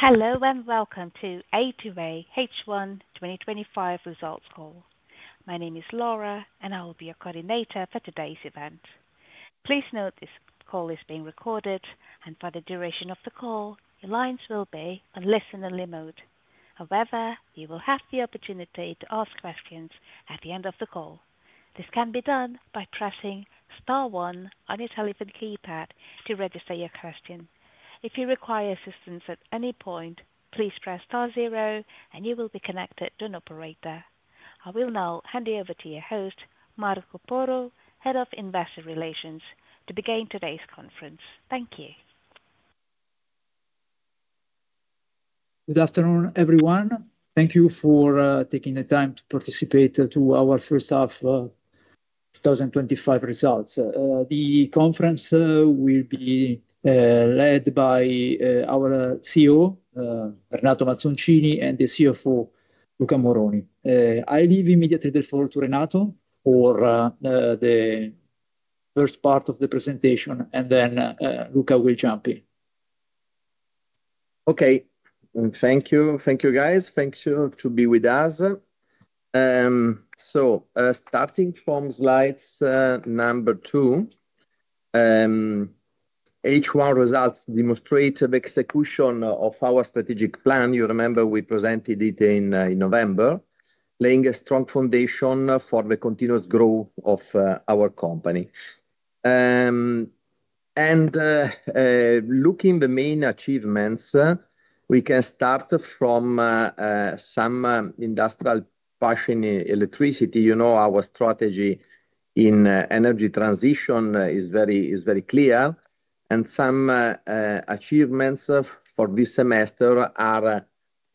Hello, and welcome to A2A H1 twenty twenty five Results Call. My name is Laura, and I will be your coordinator for today's event. Please note this call is being recorded. And for the duration of the call, your lines will be on listen only mode. However, you will have the opportunity to ask questions at the end of the call. I will now hand you over to your host, Marco Porro, Head of Investor Relations, to begin today's conference. Thank you. Good afternoon, everyone. Thank you for taking the time to participate to our first half twenty twenty five results. Conference will be led by our CEO, Renato Mazzucchinis and the CFO, Luca Moroni. I leave immediately the floor to Renato for the first part of the presentation, and then Luca will jump in. Okay. Thank you. Thank you, guys. Thank you to be with us. So starting from slide number two. H1 results demonstrate the execution of our strategic plan. You remember we presented it in November, laying a strong foundation for the continuous growth of our company. And looking the main achievements, we can start from some industrial passion in electricity. Our strategy in energy transition is very clear. And some achievements for this semester are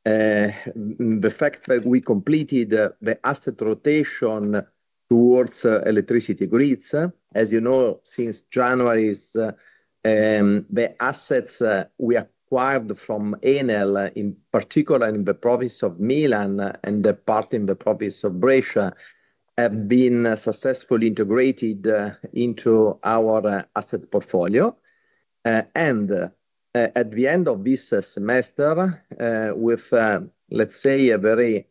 the fact that we completed the asset rotation towards electricity grids. As you know, since January is the assets we acquired from A and L in particular in the province of Milan and the part in the province of Brescia have been successfully integrated into our asset portfolio. And at the end of this semester, with, let's say, a very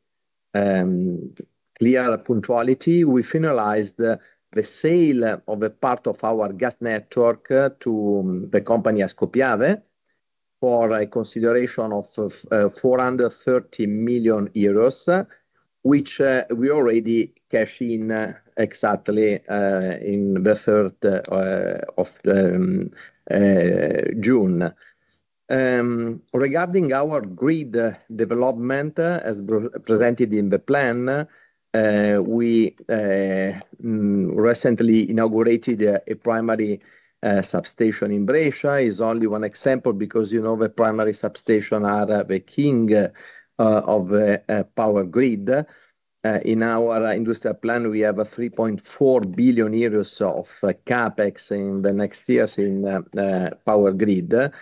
clear punctuality, we finalized the sale of a part of our gas network to the company Escopiade for a consideration of €430,000,000 which we already cashed in exactly the June 3. Regarding our grid development as presented in the plan, we recently inaugurated a primary substation in Brescia. It's only one example because the primary substation are the king of power grid. In our industrial plan, we have a €3,400,000,000 of CapEx in the next years in Power Grid.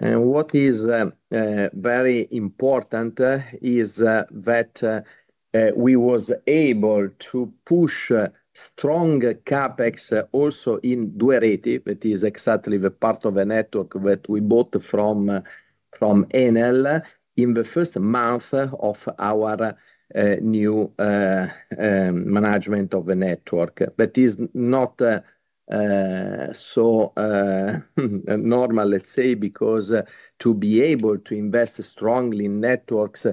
And what is very important is that we was able to push strong CapEx also in DWERATY that is exactly the part of the network that we bought from Enel in the first month of our new management of the network. That is not so normal, let's say, because to be able to invest strongly in networks,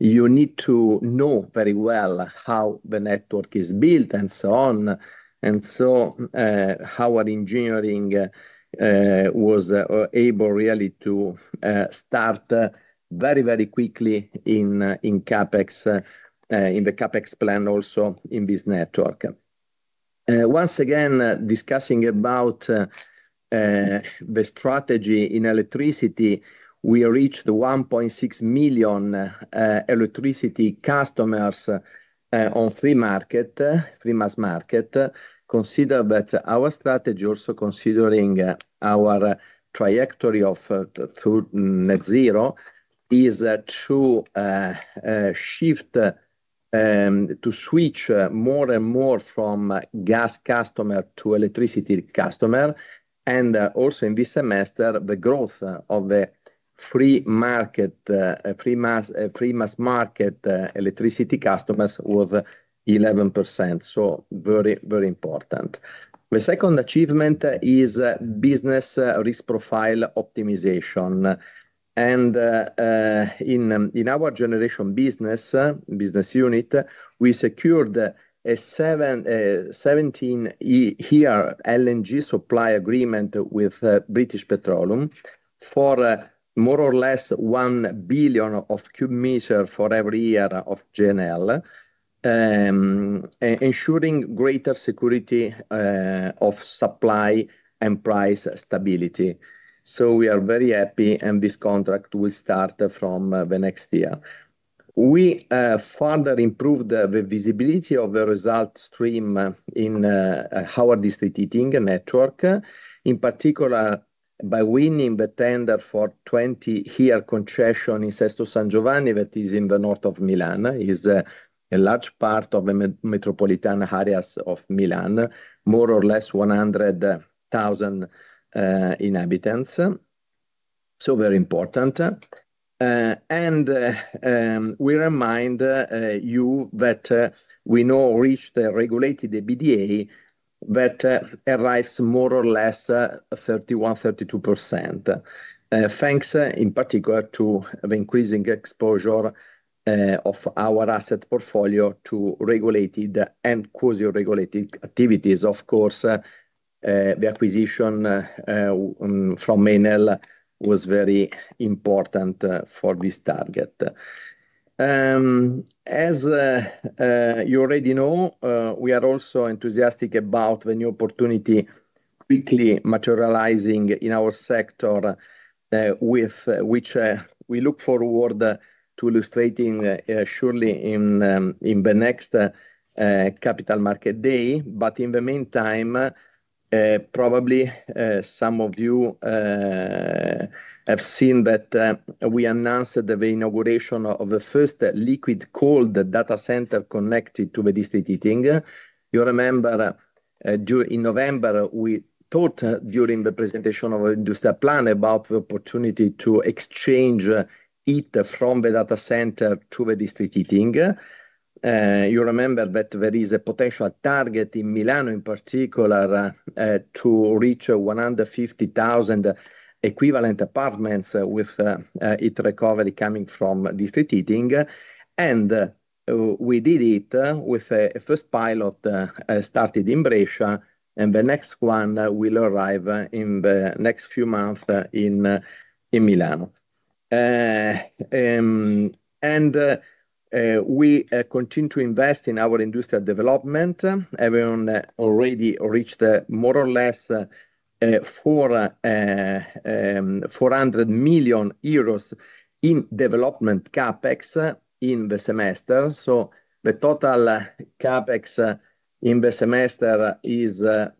you need to know very well how the network is built and so on. And so how our engineering was able really to start very, very quickly in CapEx in the CapEx plan also in this network. Once again, discussing about the strategy in electricity, we reached 1,600,000 electricity customers on free market free mass market consider but our strategy also considering our trajectory of food net zero is to shift to switch more and more from gas customer to electricity customer. And also in this semester, the growth of the free market free mass market electricity customers was 11%, so very, very important. The second achievement is business risk profile optimization. And in our generation business unit, we secured a seventeen year LNG supply agreement with British Petroleum for more or less €1,000,000,000 of commission for every year of GNL, ensuring greater security of supply and price stability. So we are very happy and this contract will start from the next year. We further improved the visibility of the results stream in our district heating network, in particular by winning the tender for 2020 here concession in Sesto San Giovanni that is in the North Of Milan. It is a large part of the metropolitan areas of Milan, more or less 100,000 inhabitants, so very important. And we remind you that we now reached a regulated EBITDA that arrives more or less 31%, 32%. Thanks in particular to the increasing exposure of our asset portfolio to regulated and cozy regulated activities. Of course, the acquisition from E and L was very important for this target. As you already know, we are also enthusiastic about the new opportunity quickly materializing in our sector with which we look forward to illustrating surely in the next Capital Market Day. But in the meantime, probably some of you have seen that we announced the inauguration of the first liquid cold data center connected to the distillate heating. You remember during November, we thought during the presentation of our Industarplan about the opportunity to exchange it from the data center to the district heating. You remember that there is a potential target in Milan in particular to reach 150,000 equivalent apartments with its recovery coming from district heating. And we did it with a first pilot started in Brescia and the next one will arrive in the next few months in Milan. And we continue to invest in our industrial development. Evinr already reached more or less €400,000,000 in development CapEx in the semester. So the total CapEx in the semester is I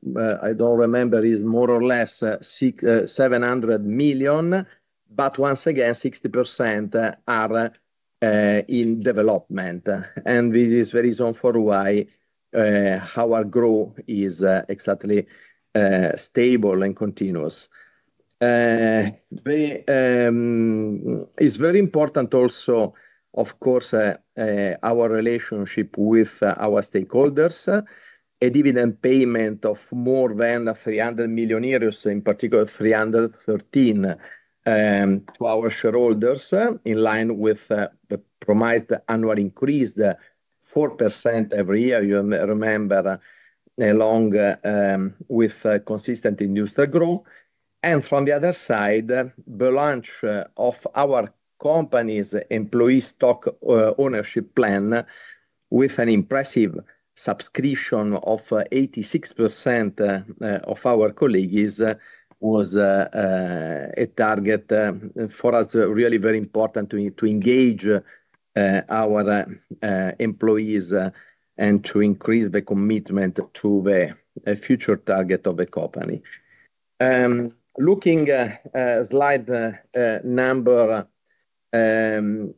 don't remember is more or less €700,000,000 but once again 60% are in development. And this is the reason for why our growth is exactly stable and continuous. It's very important also, of course, our relationship with our stakeholders. A dividend payment of more than €300,000,000 in particular €313,000,000 to our shareholders in line with the promised annual increase, the 4% every year, may remember, along with consistent in new store growth. And from the other side, the launch of our company's employee stock ownership plan with an impressive subscription of 86% of our colleagues was a target for us really very important to engage our employees and to increase the commitment to the future target of the company. Looking slide number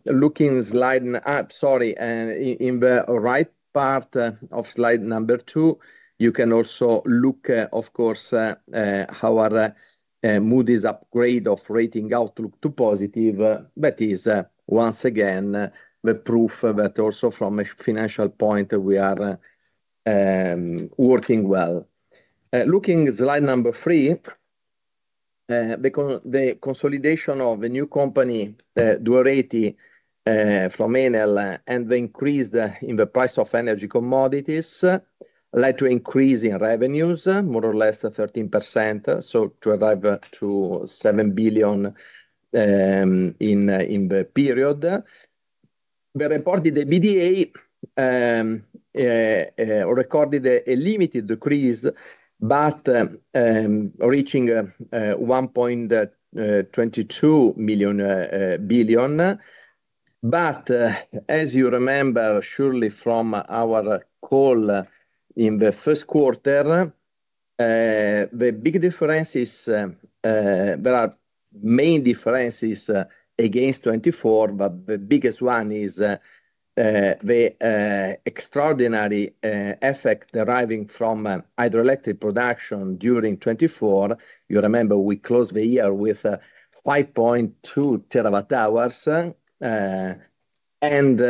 looking slide sorry in the right part of slide number two, you can also look, of course, how our Moody's upgrade of rating outlook to positive. That is once again the proof that also from a financial point, we are working well. Looking at slide number three, the consolidation of the new company Duality from Enel and the increase in the price of energy commodities led to increase in revenues more or less 13%, so to arrive to €7,000,000,000 in the period. The reported EBITDA recorded a limited decrease, but reaching €1,220,000,000 But as you remember surely from our call in the first quarter, the big difference is there are main differences against 24%, but the biggest one is the extraordinary effect deriving from hydroelectric production during 2024. You remember, we closed the year with 5.2 terawatt hours. And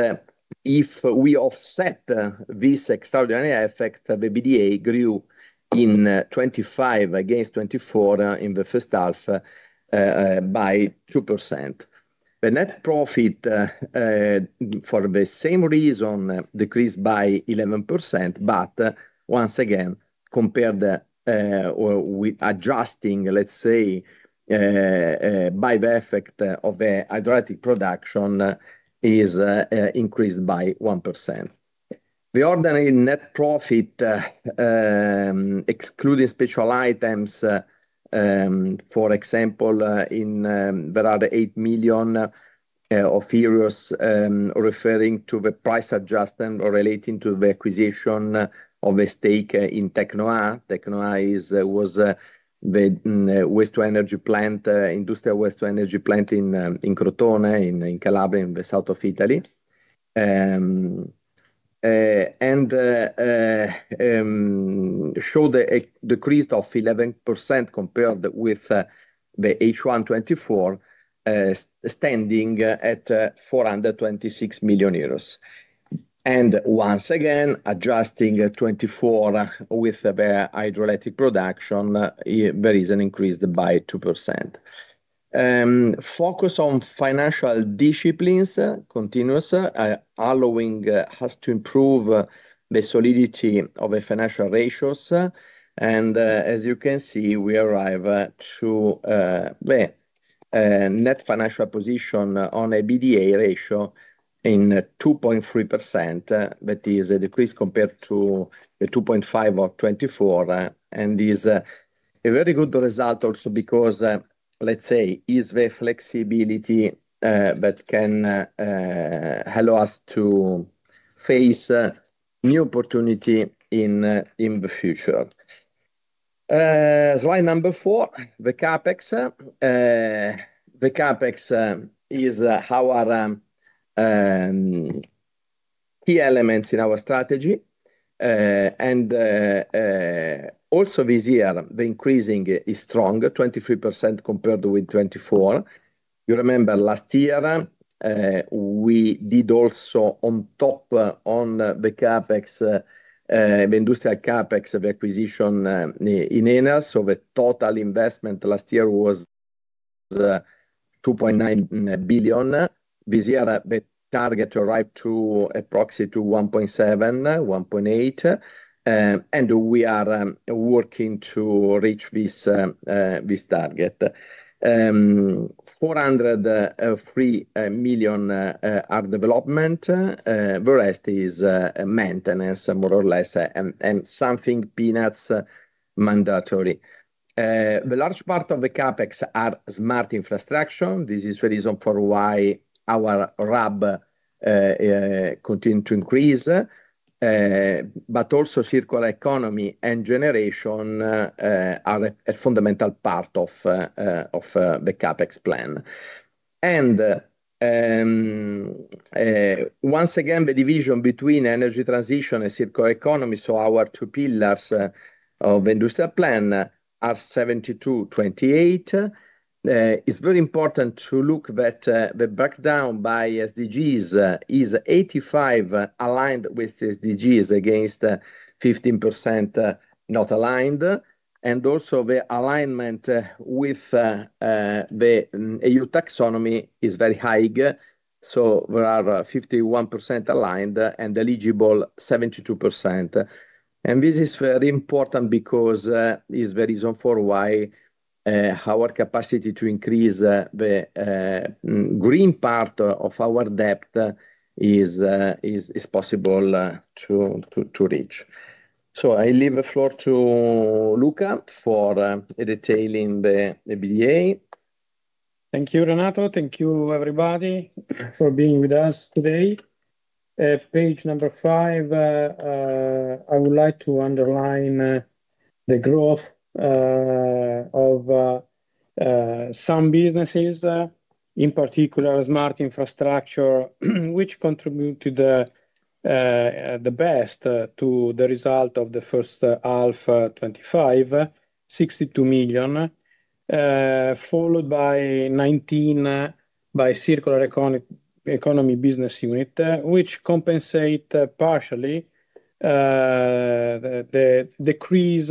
if we offset this extraordinary effect, the EBITDA grew in 25% against 24% in the first half by 2%. The net profit for the same reason decreased by 11%, but once again compared with adjusting, let's say, buyback effect of hydroelectric production is increased by 1%. The ordinary net profit excluding special items, for example, in there are the €8,000,000 of euros referring to the price adjustment or relating to the acquisition of a stake in Tecnoa. Tecnoa is was the waste to energy plant industrial waste to energy plant in Crotone, in Calabria in the South Of Italy. And showed a decrease of 11% compared with the H1 twenty twenty four standing at €426,000,000 And once again adjusting 2024 with the hydroelectric production there is an increase by 2%. Focus on financial disciplines continues allowing us to improve the solidity of the financial ratios. And as you can see, we arrive to net financial position on EBITDA ratio in 2.3% that is a decrease compared to the 2.5% of 24%. And this is a very good result also because, let's say, is the flexibility that can allow us to face new opportunity in the future. Slide number four, the CapEx. The CapEx is how are key elements in our strategy. And also this year the increasing is strong 23% compared with 24. You remember last year we did also on top on the CapEx the industrial CapEx of acquisition in Enel. So the total investment last year was €2,900,000,000 This year the target arrived to approximately to $1700000000.0.1.8 And we are working to reach this target. Four zero three are development. The rest is maintenance more or less and something peanuts mandatory. The large part of the CapEx are smart infrastructure. This is the reason for why our RAB continue to increase, but also circular economy and generation are a fundamental part of the CapEx plan. And once again the division between energy transition and COECONOMY, so our two pillars of the industrial plan are 72.28%. It's very important to look that the breakdown by SDGs is 85% aligned with SDGs against 15 not aligned. And also the alignment with EU taxonomy is very high. We are 51% aligned and eligible 72%. And this is very important because it's the reason for why our capacity to increase the green part of our debt is possible to reach. So I leave the floor to Luca for a detail in the EBITDA. Thank you, Renato. Thank you, everybody, for being with us today. At Page number five, I would like to underline the growth of some businesses, in particular, smart infrastructure, which contributed the best to the result of the first half twenty twenty five, million followed by 19 million by circular economy business unit, which compensate partially the decrease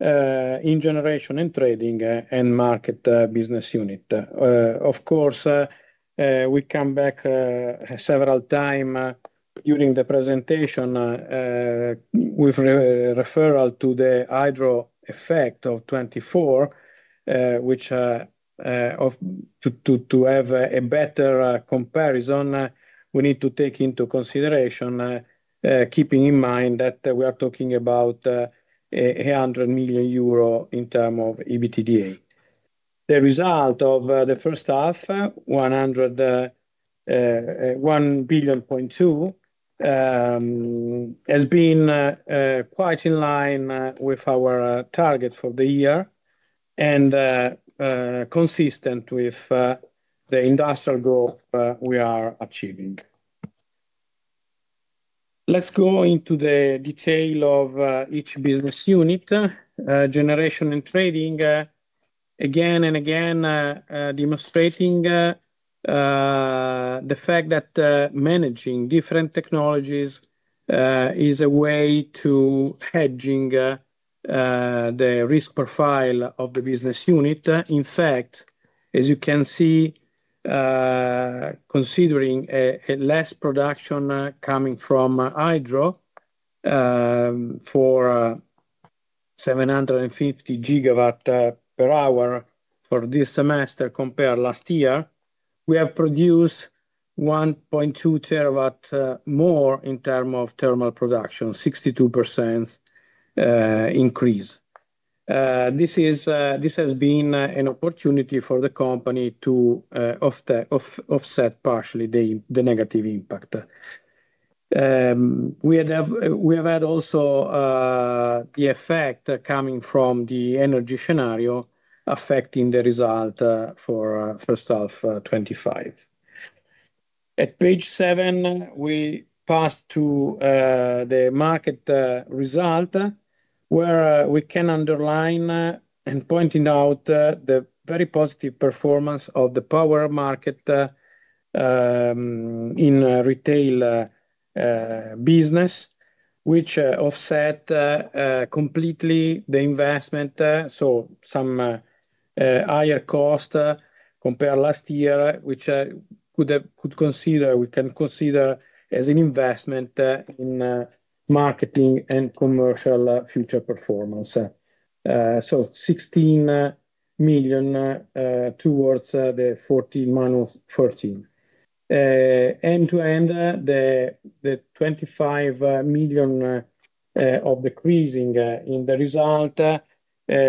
in generation and trading end market business unit. Of course, we come back several time during the presentation with a referral to the hydro effect of 24,000,000 which to have a better comparison, we need to take into consideration keeping in mind that we are talking about €800,000,000 in term of EBITDA. The result of the first half, 101,200,000,000.0 has been quite in line with our target for the year and consistent with the industrial growth we are achieving. Let's go into the detail of each business unit, generation and trading, again and again, the fact that managing different technologies is a way to hedging the risk profile of the business unit. In fact, as you can see, considering less production coming from hydro for seven fifty gigawatt per hour for this semester compared last year, we have produced 1.2 terawatt more in term of thermal production, 62% increase. This is this has been an opportunity for the company to offset partially the negative impact. We have had also the effect coming from the energy scenario affecting the result for first half twenty twenty five. At Page seven, we pass to the market result, where we can underline and pointing out the very positive performance of the power market in retail business, which offset completely the investment. So some higher cost compared last year, which could consider we can consider as an investment in marketing and commercial future performance. So €16,000,000 towards the 14,000,000 minus 14,000,000 End to end, the €25,000,000 of decreasing in the result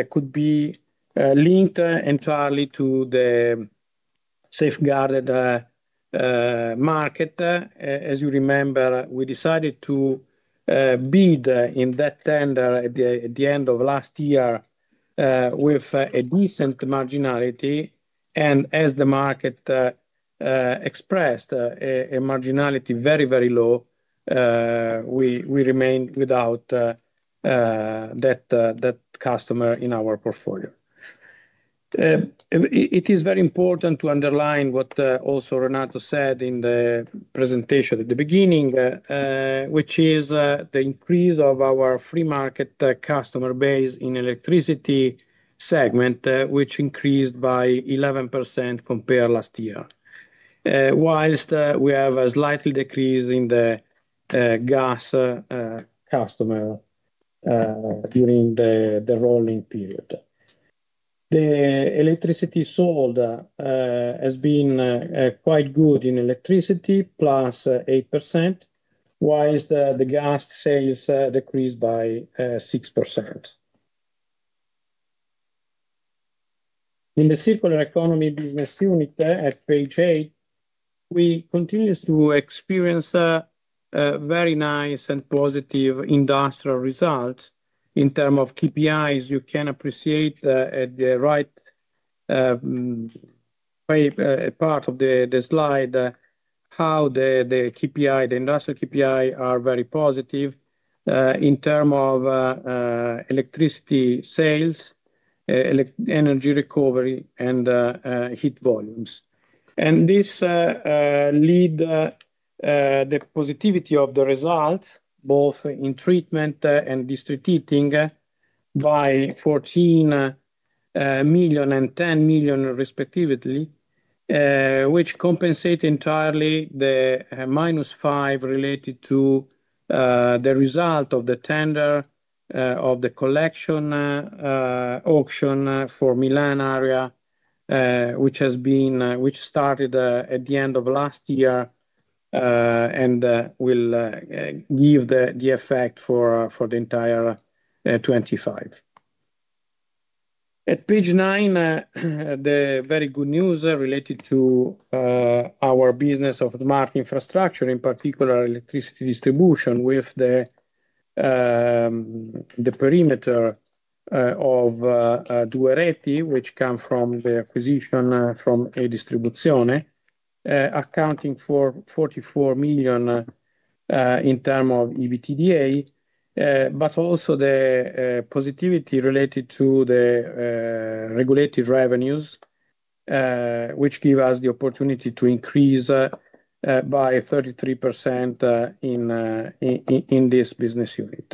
could be linked entirely to the safeguarded market. As you remember, we decided to bid in that tender at the end of last year with a decent marginality. And as the market expressed a marginality very, very low, we remain without that customer in our portfolio. It is very important to underline what also Renato said in the presentation at the beginning, which is the increase of our free market customer base in electricity segment, which increased by 11% compared last year, whilst we have a slightly decrease in the gas customer during the rolling period. The electricity sold has been quite good in electricity, plus 8%, whilst the gas sales decreased by 6%. In the circular economy business unit at PHA, we continue to experience a very nice and positive industrial result. In terms of KPIs, you can appreciate at the right part of the slide how the KPI the industrial KPI are very positive in term of electricity sales, energy recovery and heat volumes. And this lead the positivity of the result both in treatment and distributing by €14,000,000 and €10,000,000 respectively, which compensate entirely the minus 5,000,000 related to the result of the tender of the collection auction for Milan area, which has been which started at the end of last year and will give the effect for the entire 2025. At Page nine, the very good news related to our business of the market infrastructure, in particular, distribution with the perimeter of Duereti, which come from the acquisition from a distribution accounting for €44,000,000 in term of EBITDA, but also the positivity related to the regulated revenues, which give us the opportunity to increase by 33% in this business unit.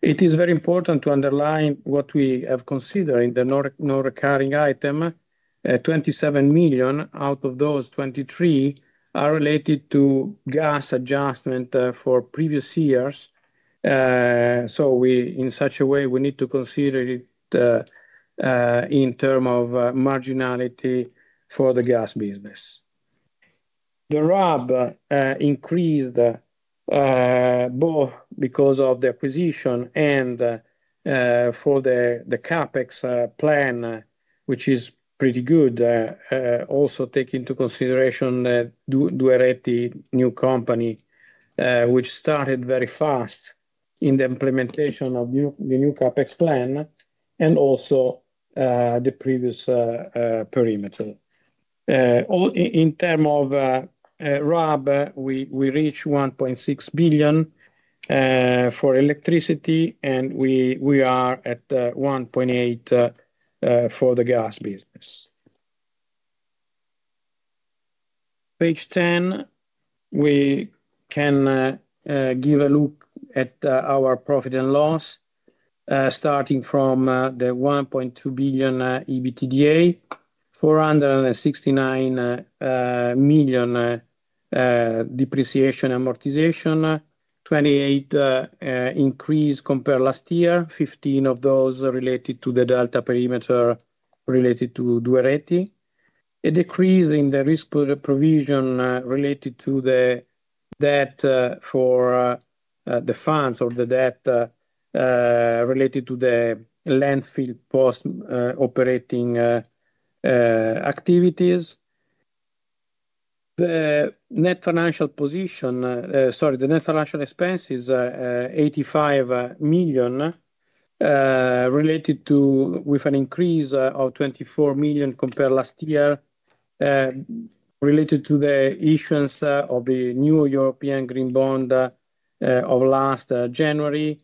It is very important to underline what we have considered in the nonrecurring item, 27,000,000 out of those $23 are related to gas adjustment for previous years. So we in such a way, we need to consider it in term of marginality for the gas business. The RAB increased both because of the acquisition and for the CapEx plan, which is pretty good, also take into consideration Duereti new company, which started very fast in the implementation of the new CapEx plan and also the previous perimeter. In term of RAB, reached $1,600,000,000 for electricity and we are at 1.8 for the gas business. Page 10, we can give a look at our profit and loss starting from the €1,200,000,000 EBITDA, euros $469,000,000 depreciation and amortization, 28,000,000 increase compared to last year, 15% of those related to the delta perimeter related to Duereti, a decrease in the risk provision related to the debt for the funds or the debt related to the landfill post operating activities. Sorry, the net financial expense is €85,000,000 related to with an increase of 24,000,000 compared last year related to the issuance of the new European green bond of last January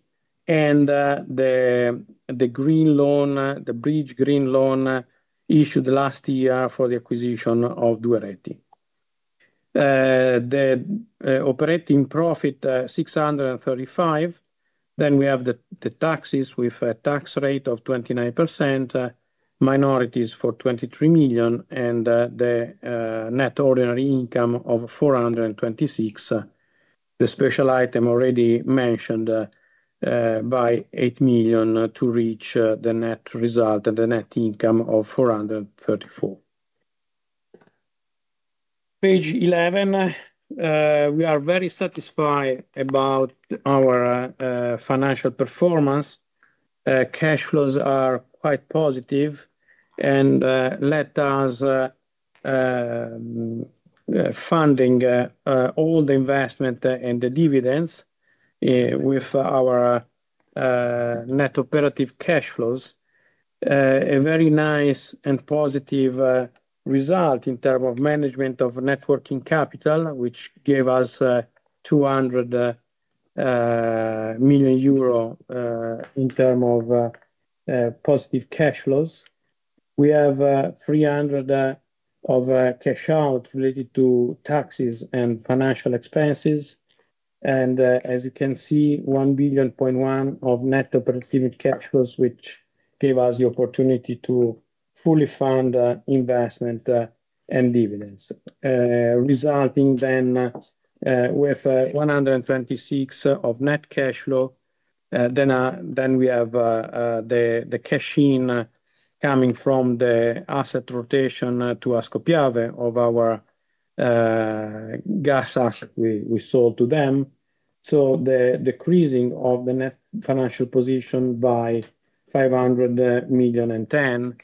and the green loan the bridge green loan issued last year for the acquisition of Duereti. The operating profit, dollars $6.35 Then we have the taxes with a tax rate of 29%, minorities for $23,000,000 and the net ordinary income of $426,000,000 the special item already mentioned by $8,000,000 to reach the net result and the net income of $434,000,000 Page 11, we are very satisfied about our financial performance. Cash flows are quite positive and let us funding all the investment and the dividends with our net operative cash flows, a very nice and positive result in term of management of net working capital, which gave us €200,000,000 in term of positive cash flows. We have 300,000,000 of cash out related to taxes and financial expenses. And as you can see, 1,100,000,000.0 of net operating cash flows, which gave us the opportunity to fully fund investment and dividends, resulting then with 126,000,000 of net cash flow. Then we have the cash in coming from the asset rotation to Ascopiave of our gas asset we sold to them. So the decreasing of the net financial position by $500,000,000 and $10,000,000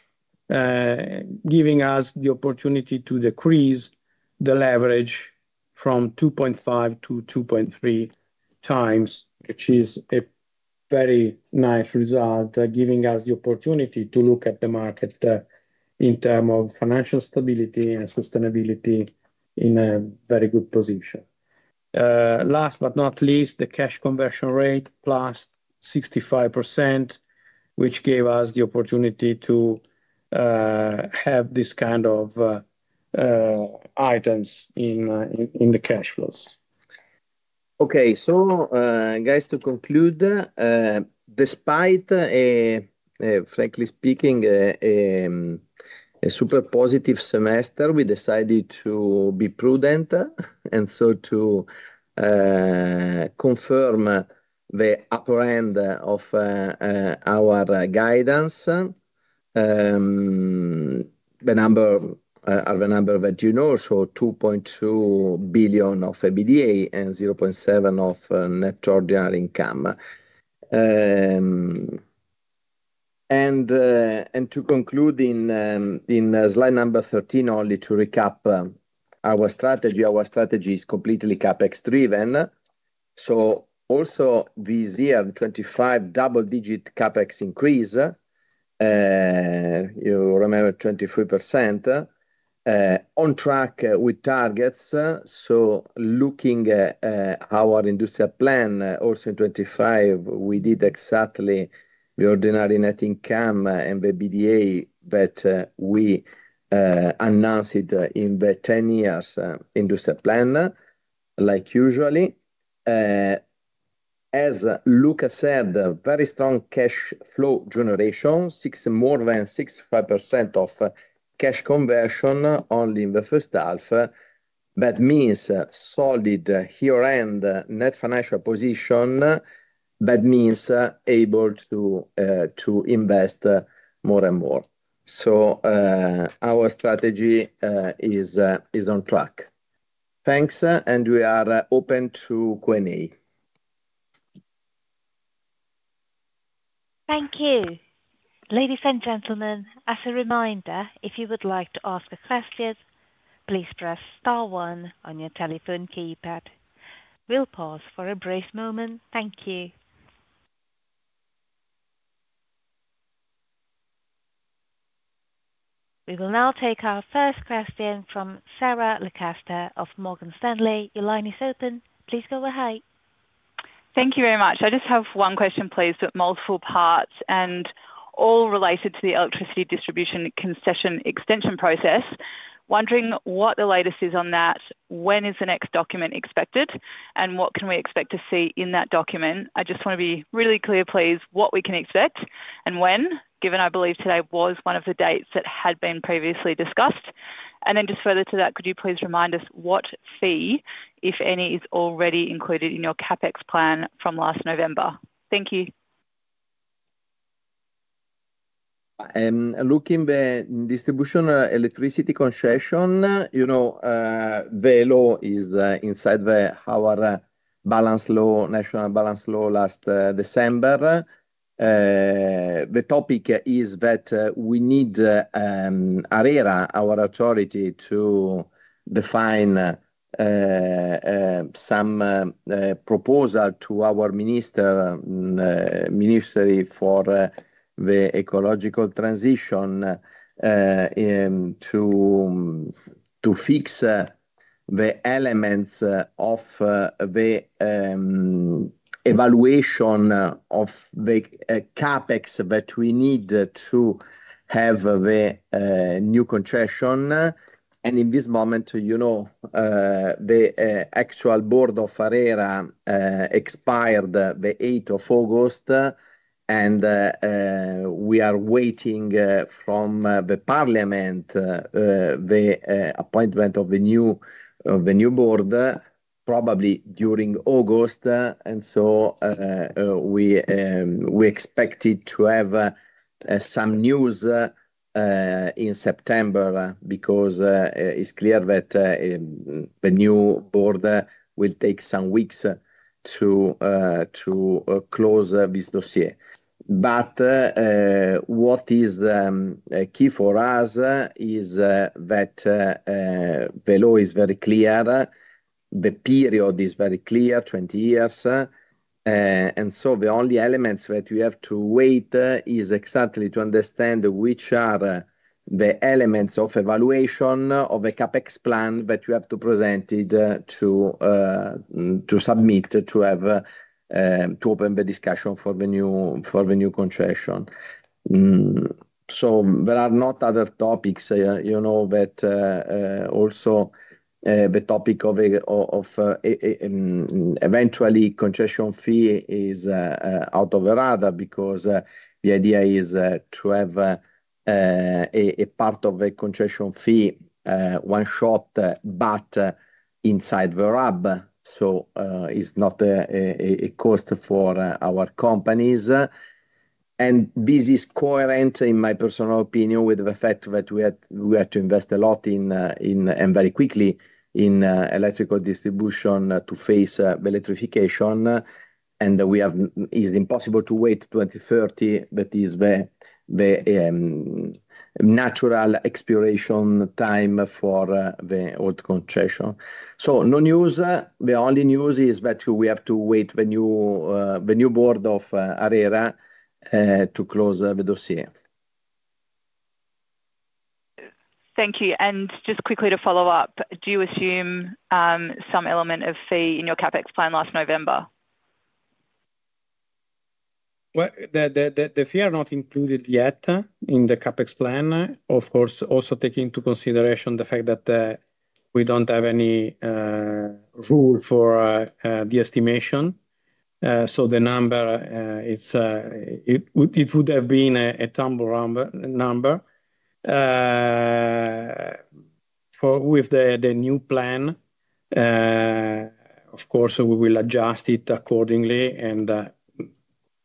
giving us the opportunity to decrease the leverage from 2.5 to 2.3 times, which is a very nice result, giving us the opportunity to look at the market in term of financial stability and sustainability in a very good position. Last but not least, the cash conversion rate plus 65%, which gave us the opportunity to have this kind of items in the cash flows. Okay. So guys to conclude, despite frankly speaking a super positive semester, we decided to be prudent. And so to confirm the upper end of our guidance. The number are the number that you know, so €2,200,000,000 of EBITDA and 700,000,000.0 of net ordinary income. And to conclude in slide number 13 only to recap our strategy. Our strategy is completely CapEx driven. So also this year 25% double digit CapEx increase, remember 23%, on track with targets. So looking our industrial plan also in 2025, we did exactly the ordinary net income and the EBITDA that we announced in the ten years in the plan like usually. As Luca said, very strong cash flow generation six more than 65% of cash conversion only in the first half. That means solid year end net financial position that means able to invest more and more. So our strategy is on track. Thanks and we are open to Q and A. Thank you. We will now take our first question from Sarah Lancaster of Morgan Stanley. Your line is open. Please go ahead. Thank you very much. I just have one question, please, with multiple parts and all related to the electricity distribution concession extension process. Wondering what the latest is on that? When is the next document expected? And what can we expect to see in that document. I just want to be really clear, please, what we can expect and when, given I believe today was one of the dates that had been previously discussed. And then just further to that, could you please remind us what fee, if any, is already included in your CapEx plan from last November? Thank you. Looking at distribution electricity concession, the law is inside our balance law national balance law last December. The topic is that we need AERA, our authority, to define some proposal to our minister Ministry for the Ecological Transition to fix the elements of the evaluation of the CapEx that we need to have the new contraction. And in this moment, the actual Board of Ferreira expired the August 8, and we are waiting from the parliament the appointment of the new Board probably during August. And so we expected to have some news in September because it's clear that the new order will take some weeks to close this dossier. But what is key for us is that the law is very clear. The period is very clear, twenty years. And so the only elements that we have to wait is exactly to understand which are the elements of evaluation of the CapEx plan that you have to present it to submit to have to open the discussion for the new concession. So there are not other topics that also the topic of eventually concession fee is out of the radar because the idea is to have a part of the contractual fee one shot, but inside Verab. So it's not a cost for our companies. And this is coherent in my personal opinion with the fact that we had to invest a lot in and very quickly in electrical distribution to face electrification. And we have is it impossible to wait 2030 that is the natural expiration time for the old concession. So no news. The only news is that we have to wait the new Board of Areira to close the dossier. Thank you. And just quickly to follow-up. Do you assume some element of fee in your CapEx plan last November? Well, the fee are not included yet in the CapEx plan. Of course, also taking into consideration the fact that we don't have any rule for the estimation. So the number, it's it would have been a tumbled number. With the new plan, of course, we will adjust it accordingly. And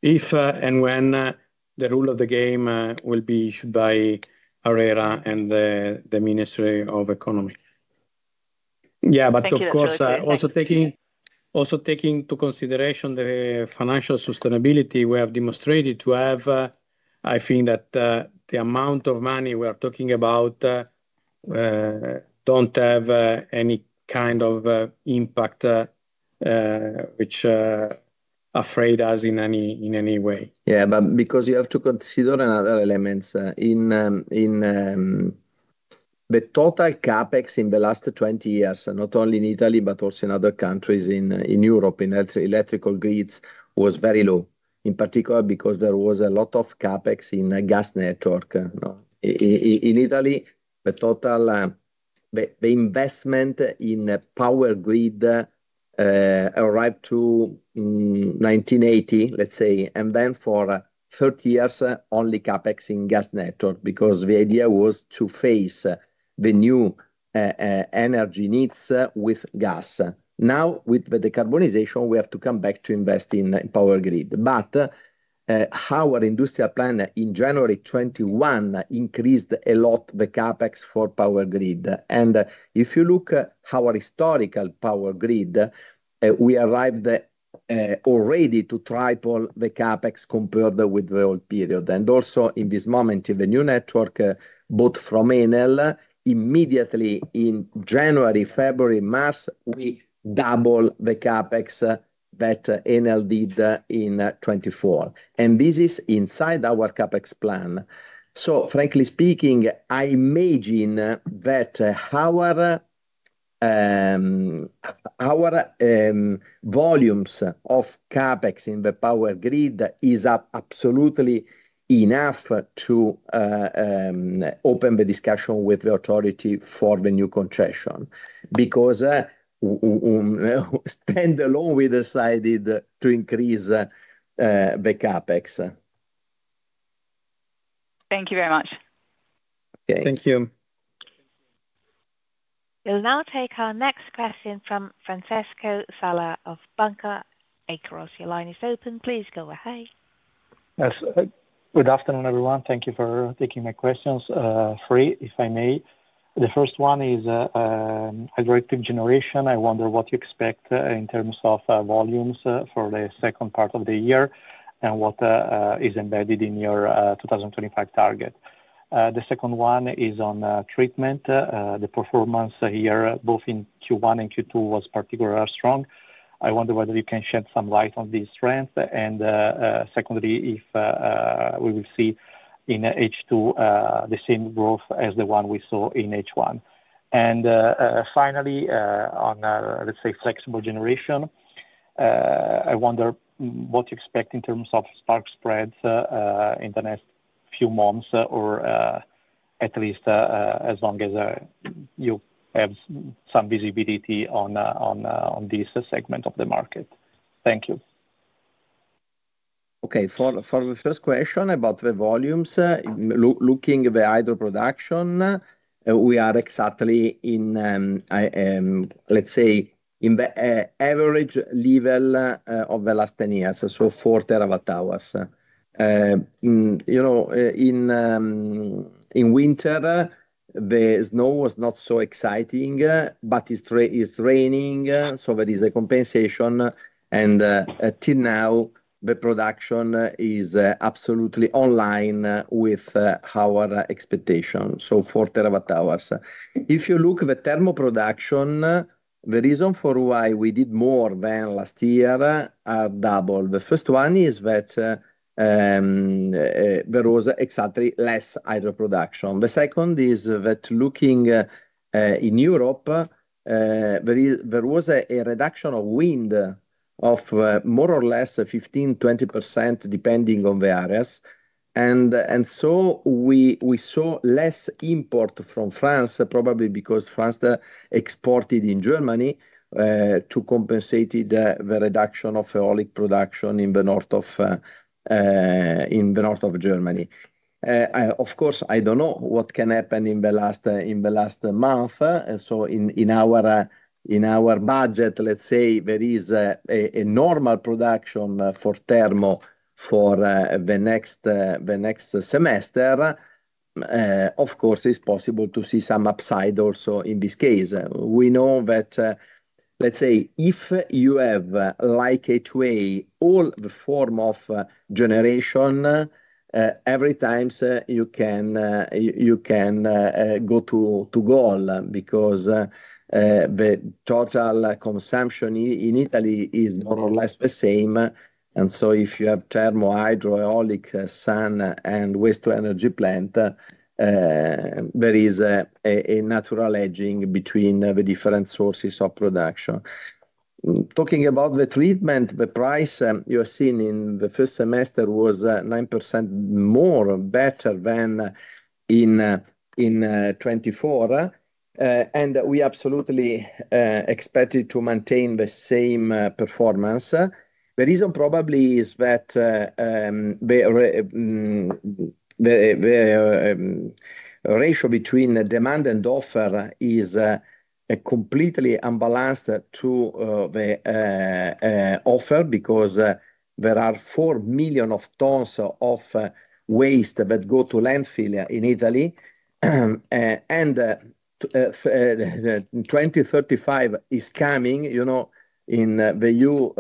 if and when the rule of the game will be issued by ARERA and the Ministry of Economy. But of course, also taking into consideration the financial sustainability, we have demonstrated to have I think, that the amount of money we are talking about don't have any kind of impact, which afraid us in any way. Yes. But because you have to consider another element. In the total CapEx in the last twenty years, not only in Italy, but also in other countries in Europe in electrical grids was very low, in particular because there was a lot of CapEx in the gas network. In Italy, the total the investment in power grid arrived to in 1980, let's say, and then for thirty years only CapEx in Gas Network because the idea was to face the new energy needs with gas. Now with the decarbonization, we have to come back to invest in Power Grid. But our industrial plan in January 2021 increased a lot the CapEx for Power Grid. And if you look at our historical Power Grid, we arrived already to triple the CapEx compared with the old period. And also in this moment, in the new network, both from A and L, immediately in January, February, March we doubled the CapEx that A and L did in 2024. And this is inside our CapEx plan. So frankly speaking, I imagine that our volumes of CapEx in the power grid is up absolutely enough to open the discussion with the authority for the new concession because standalone we decided to increase the CapEx. Thank you very much. Thank you. We'll now take our next question from Francesco Sala of of Banker Acros. Your line is open. Please go ahead. Yes. Good afternoon, everyone. Thank you for taking my questions. Three, if I may. The first one is hydro generation. I wonder what you expect in terms of volumes for the second part of the year and what is embedded in your 2025 target? The second one is on treatment. The performance here both in Q1 and Q2 was particularly strong. I wonder whether you can shed some light on this trend. Secondly, if we will see in H2 the same growth as the one we saw in H1. And finally, on let's say flexible generation, I wonder what you expect in terms of Spark spreads in the next few months or at least as long as you have some visibility on this segment of the market? Thank you. Okay. For the first question about the volumes, looking at the hydro production, we are exactly in let's say in the average level of the last ten years, so four terawatt hours. In winter, the snow was not so exciting, but it's raining, so there is a compensation. And until now, the production is absolutely online with our expectation, so four terawatt hours. If you look at the thermal production, the reason for why we did more than last year are double. The first one is that there was exactly less hydro production. The second is that looking in Europe, there was a reduction of wind of more or less 15%, 20% depending on the areas. And so we saw less import from France probably because France exported in Germany to compensate the reduction of ferroleic production in the North Of Germany. Of course, I don't know what can happen in the last month. So in our budget, let's say, is a normal production for Thermo for the next semester. Of course, it's possible to see some upside also in this case. We know that, let's say, if you have like H2A, all the form of generation, every time you can go to goal because the total consumption in Italy is more or less the same. And so if you have thermal hydro, iolic, sun and waste to energy plant, there is a natural hedging between the different sources of production. Talking about the treatment, the price you have seen in the first semester was 9% more better than 2024. And we absolutely expect it to maintain the same performance. The reason probably is that the ratio between demand and offer is completely unbalanced to the offer because there are 4,000,000 tons of waste that go to landfill in Italy. And 2035 is coming. In The U.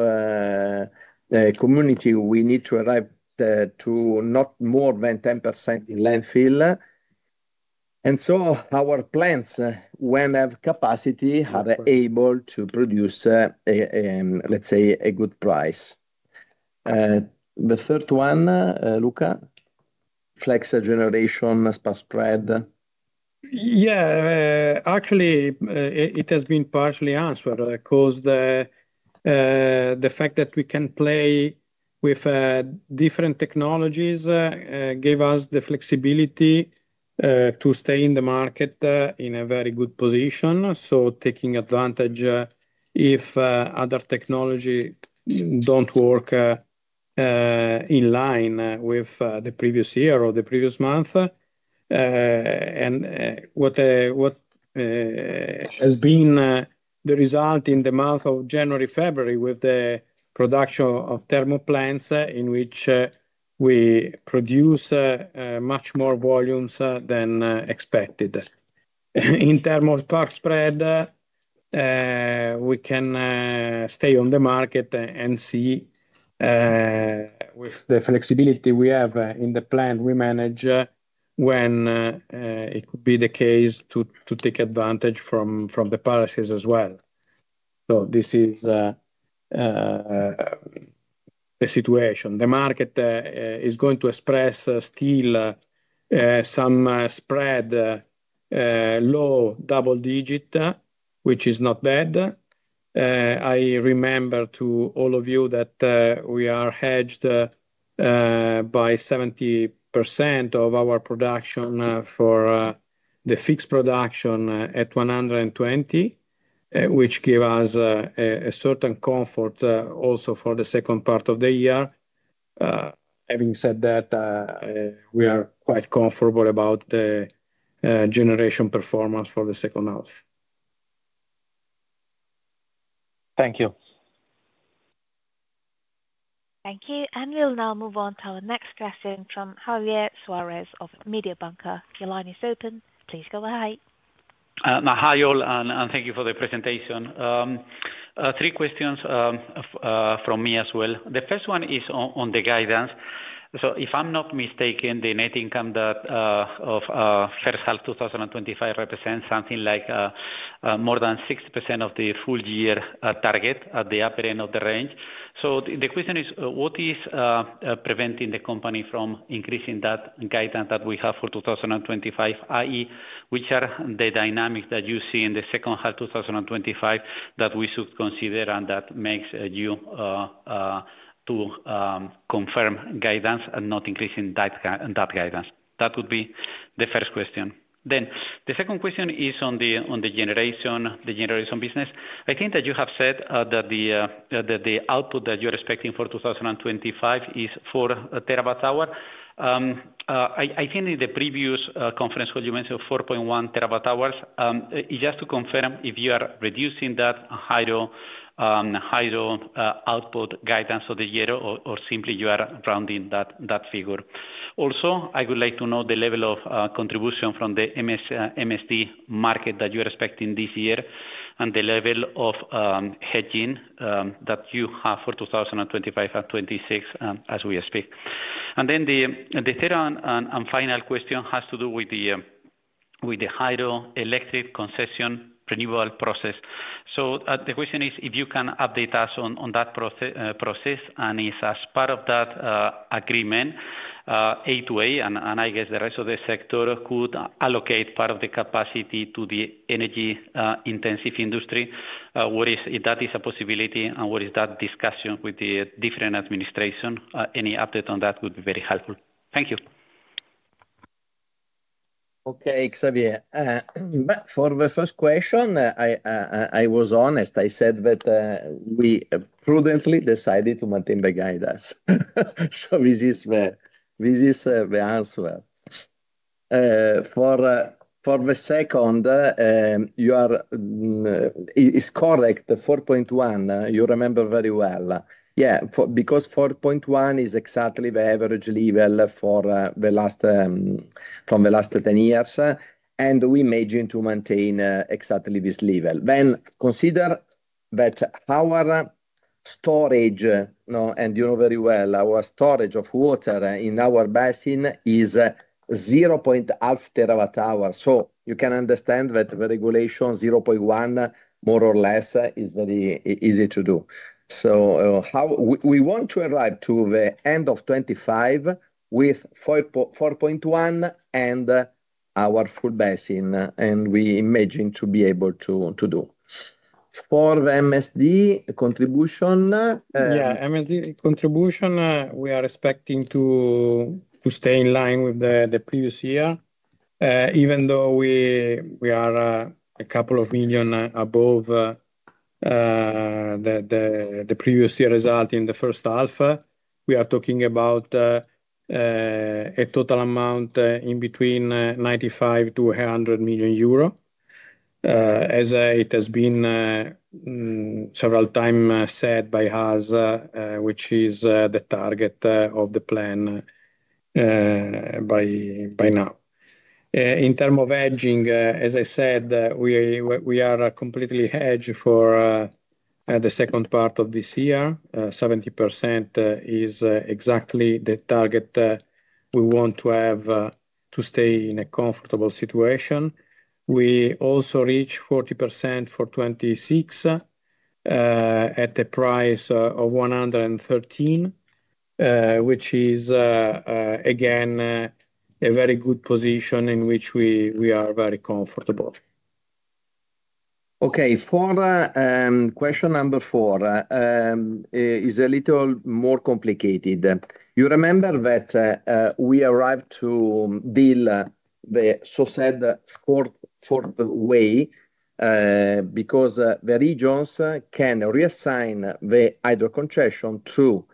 Community, we need to arrive to not more than 10% in landfill. And so our plants when have capacity are able to produce, let's say, a good price. The third one, Luca, flex generation, spare spread? Yes. Actually, it has been partially answered because the fact that we can play with different technologies gave us the flexibility to stay in the market in a very good position, so taking advantage if other technology don't work in line with the previous year or the previous month. And what has been the result in the month of January, February with the production of thermal plants in which we produce much more volumes than expected. In terms of spark spread, we can stay on the market and see with the flexibility we have in the plan we manage when it would be the case to take advantage from the policies as well. So this is the situation. The market is going to express still some spread low double digit, which is not bad. I remember to all of you that we are hedged by 70% of our production for the fixed production at 120, which give us a certain comfort also for the second part of the year. Having said that, we are quite comfortable about the generation performance for the second half. Thank you. Thank you. And we'll now move on to our next question from Javier Suarez of Mediobanca. Your line is open. Please go ahead. Hi all and thank you for the presentation. Three questions from me as well. The first one is on the guidance. So if I'm not mistaken, the net income that of first half twenty twenty five represents something like more than 6% of the full year target at the upper end of the range. So the question is what is preventing the company from increasing that guidance that we have for 2025 I. E. Are the dynamics that you see in the second half twenty twenty five that we should consider and that makes you to confirm guidance and not increasing that guidance? That would be the first question. Then the second question is on the generation business. I think that you have said that the output that you're expecting for 2025 is four terawatt hour. I think in the previous conference call you mentioned 4.1 terawatt hours. Just to confirm if you are reducing that hydro output guidance for the year or simply you are rounding that figure? Also I would like to know the level of contribution from the MST market that you are expecting this year and the level of hedging that you have for 2025 and 2026 as we speak. And then the third and final question has to do with the hydroelectric concession renewal process. So the question is if you can update us on that process and is as part of that agreement A2A and I guess the rest of the sector could allocate part of the capacity to the energy intensive industry. What is if that is a possibility and what is that discussion with the different administration? Any update on that would be very helpful. Thank you. Okay. Xavier, for the first question, I was honest. I said that we prudently decided to maintain the guidance. So this is the answer. For the second, you are it's correct, the 4.1%, you remember very well. Yes, because 4.1% is exactly the average level for the last from the last ten years. And we may begin to maintain exactly this level. Then consider that our storage and you know very well, our storage of water in our basin is 0.5 terawatt hour. So you can understand that the regulation 0.1 more or less is very easy to do. So how we want to arrive to the 2025 with 4.1% and our full basin, and we imagine to be able to do. For the MSD contribution Yes. MSD contribution, we are expecting to stay in line with the previous year. Even though we are a couple of million above the previous year result in the first half, we are talking about a total amount in between €95,000,000 to €100,000,000 as it has been several time said by us, which is the target of the plan by now. In term of hedging, as I said, we are completely hedged for the second part of this year. 70% is exactly the target we want to have to stay in a comfortable situation. We also reached 40% for $26 at the price of $113 which is again a very good position in which we are very comfortable. Okay. For question number four, it's a little more complicated. You remember that we arrived to deal the Socede fourth way because the regions can reassign the hydrocontraction through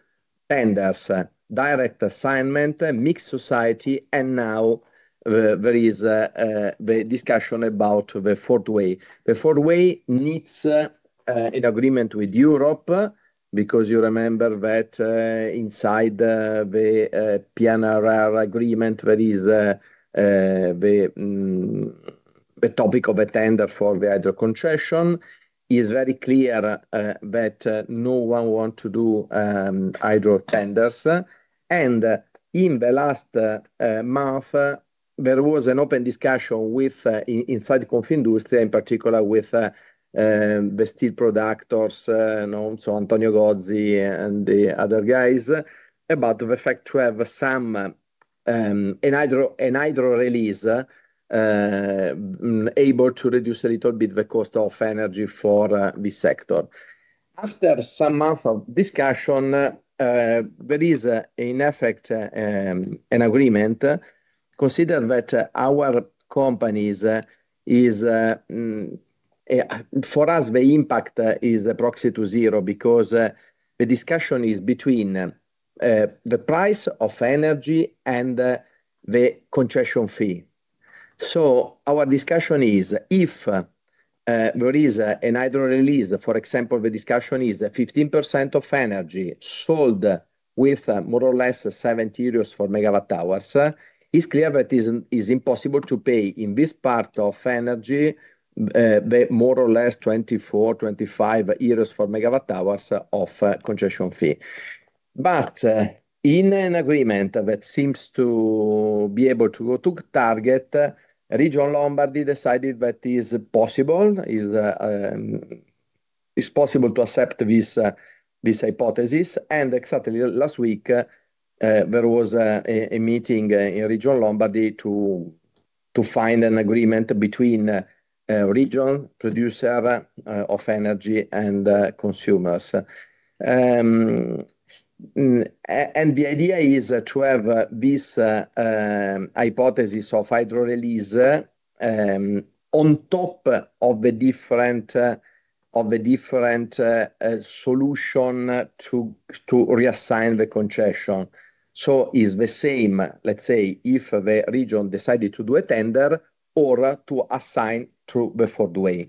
tenders, direct assignment, mixed society and now there is the discussion about the Fourth Way. The Fourth Way needs an agreement with Europe because you remember that inside the P and R agreement that is the topic of a tender for the hydro contraction is very clear that no one want to do hydro tenders. And in the last month, there was an open discussion with inside the Conf Industry, in particular with the steel producers and also Antonio Gaudzi and the other guys about the effect to have some an hydro release able to reduce a little bit the cost of energy for this sector. After some months of discussion, there is in effect an agreement considering that our companies is for us the impact is proxy to zero because the discussion is between the price of energy and the concession fee. So our discussion is, if there is a hydro release, for example, the discussion is 15% of energy sold with more or less €70 for megawatt hours, It's clear that it's impossible to pay in this part of energy more or less €24 €25 for megawatt hours of congestion fee. But in an agreement that seems to be able to go to target, Regional Lombardy decided that is possible to accept this hypothesis. And exactly last week there was a meeting in Region Lombardy to find an agreement between region producer of energy and consumers. And the idea is to have this hypothesis of hydro release on top of the different solution to reassign the concession. So it's the same, let's say, if the region decided to do a tender or to assign to the fourth way.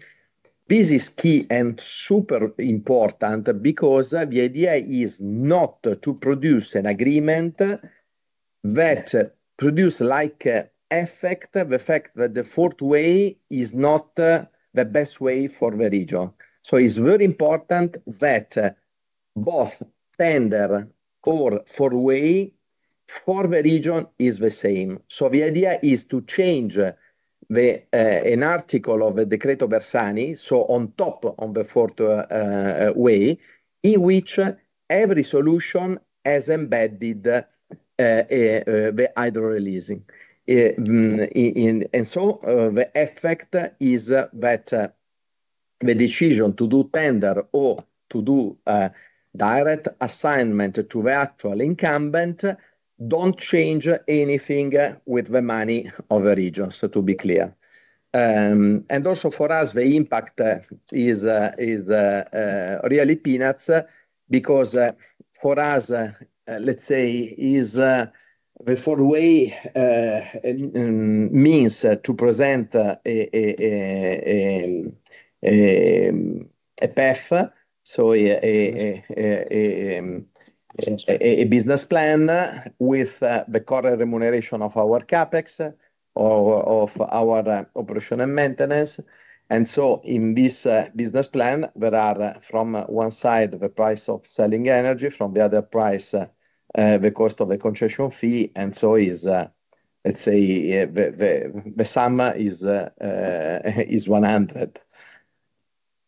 This is key and super important because the idea is not to produce an agreement that produce like effect, the fact that the fourth way is not the best way for the region. So it's very important that both tender core four way for the region is the same. So the idea is to change the an article of the Decreto Versaani, so on top of the fourth way, in which every solution has embedded the hydro releasing. And so the effect is that the decision to do tender or to do direct assignment to the actual incumbent don't change anything with the money of the regions to be clear. And also for us, the impact is really peanuts because for us, let's say, is for the way means to present a path, so a business plan with the current remuneration of our CapEx or of our operation and maintenance. And so in this business plan, there are from one side the price of selling energy from the other price because of the contractual fee. And so is, let's say, the sum is 100.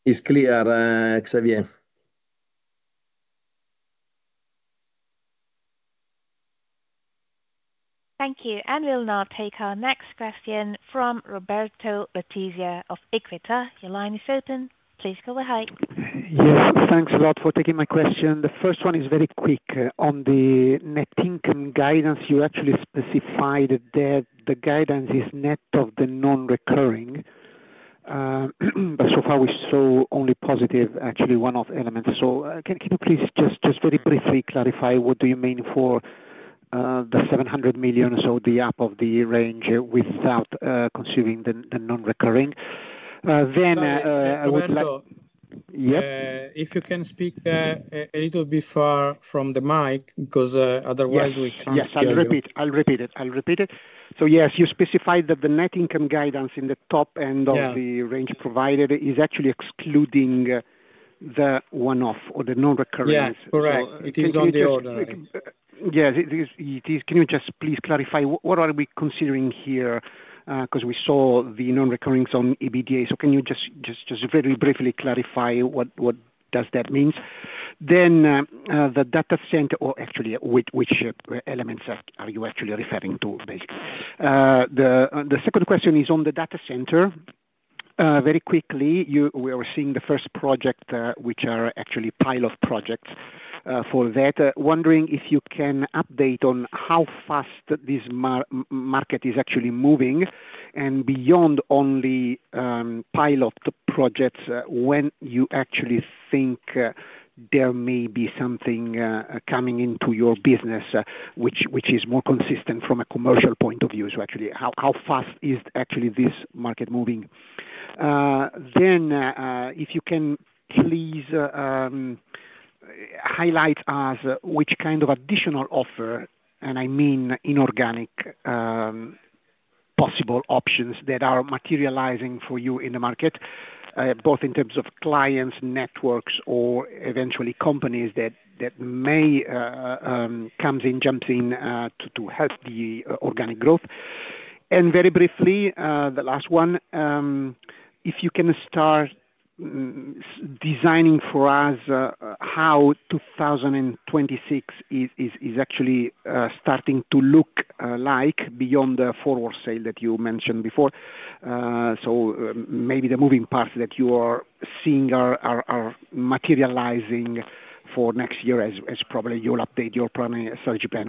It's clear, Xavier. Thank you. And we'll now take our next question from Roberto Bottiga of Equita. Your line is open. Please go ahead. Yes. Thanks a lot for taking my question. The first one is very quick. On the net income guidance, you actually specified that the guidance is net of the nonrecurring. But so far, we saw only positive actually one off elements. So can you please just very briefly clarify what do you mean for the €700,000,000 or so the up of the year range without consuming the nonrecurring? I would like you can speak a little bit far from the mic because otherwise we I'll repeat it. So I'll repeat yes, you specify that the net income guidance in the top end of the range provided is actually excluding the one off or the non recurring. Yes. It is on the order. It is. Can you just please clarify what are we considering here because we saw the non recurring on EBITDA. So can you just very briefly clarify what does that mean? Then the data center or actually which elements are you actually referring to basically? The second question is on the data center. Very quickly, we are seeing the first project which are actually pilot projects for that. Wondering if you can update on how fast this market is actually moving? And beyond only pilot projects, when you actually think there may be something coming into your business, which is more consistent from a commercial point of view? So actually how fast is actually this market moving? Then if you can please highlight us which kind of additional offer, and I mean inorganic possible options that are materializing for you in the market, both in terms of clients, networks or eventually companies that may comes in, jumps in to help the organic growth? And very briefly, the last one, if you can start designing for us how 2026 is actually starting to look like beyond the forward sale that you mentioned before. So maybe the moving parts that you are seeing are materializing for next year as probably you'll update your plan,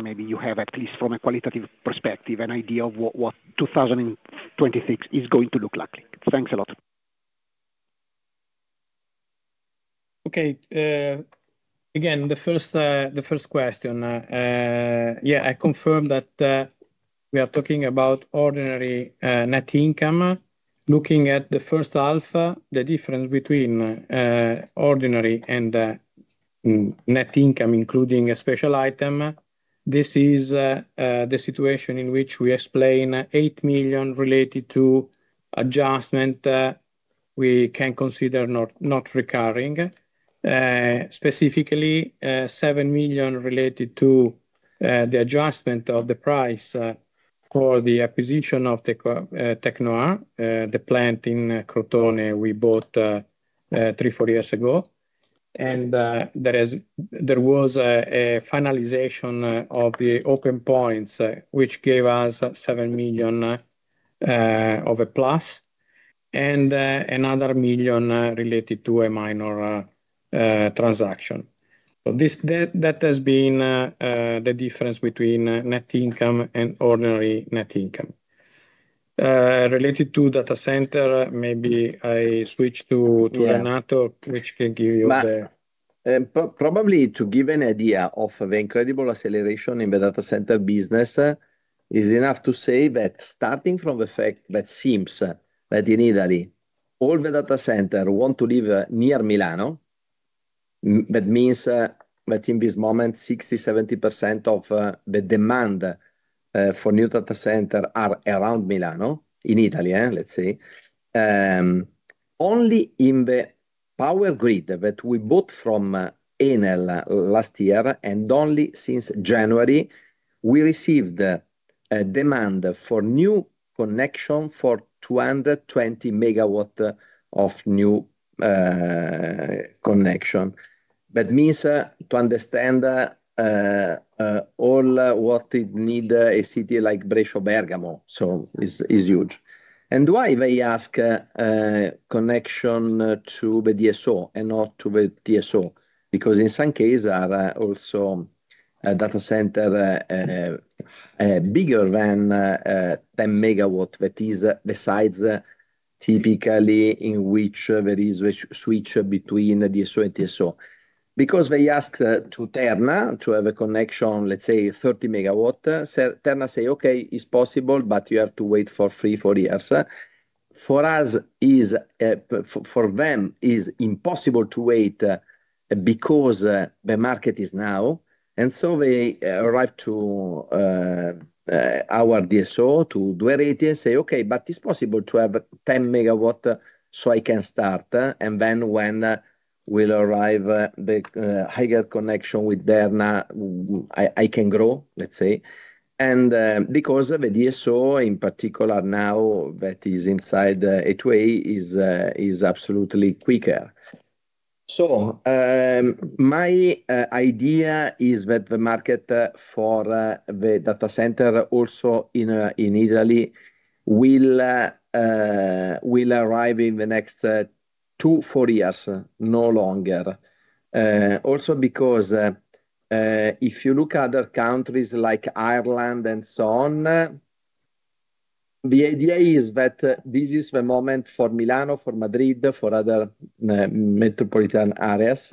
maybe you have at least from a qualitative perspective an idea of what 2026 is going to look like? Thanks a lot. Okay. Again, first question. Yes, I confirm that we are talking about ordinary net income. Looking at the first half, the difference between ordinary and net income, including a special item, this is the situation in which we explain €8,000,000 related to adjustment we can consider not recurring, specifically €7,000,000 related to the adjustment of the price for the acquisition of TechnoR, the plant in Crotonne we bought three, four years ago. And there is there was a finalization of the open points, which gave us $7,000,000 of a plus and another $1,000,000 related to a minor transaction. So this debt has been the difference between net income and ordinary net income. Related to data center, maybe I switch to Renato, which can give you Probably the to give an idea of the incredible acceleration in the data center business is enough to say that starting from the fact that seems that in Italy, all the data center want to live near Milano. That means that in this moment 60%, 70% of the demand for new data center are around Milano in Italy, let's say. Only in the power grid that we bought from A and L last year and only since January, we received demand for new connection for two twenty megawatt of new connection. That means to understand all what it need a city like Brescia Bergamo, so it's huge. And why they ask connection to the DSO and not to the DSO? Because in some cases are also data center bigger than 10 megawatt that is besides typically in which there is a switch between the DSO and TSO. Because they ask to turn now to have a connection let's say 30 megawatt, so turn now say, okay, it's possible, but you have to wait for three, four years. For us is for them is impossible to wait because the market is now. And so they arrive to our DSO to do an AT and say, okay, but it's possible to have 10 megawatt so I can start. And then when we'll arrive the higher connection with Verna, I can grow let's say. And because of the DSO in particular now that is inside H2A is absolutely quicker. So my idea is that the market for the data center also in Italy will arrive in the next two, four years no longer. Also because if you look other countries like Ireland and so on, the idea is that this is the moment for Milano, for Madrid, for other metropolitan areas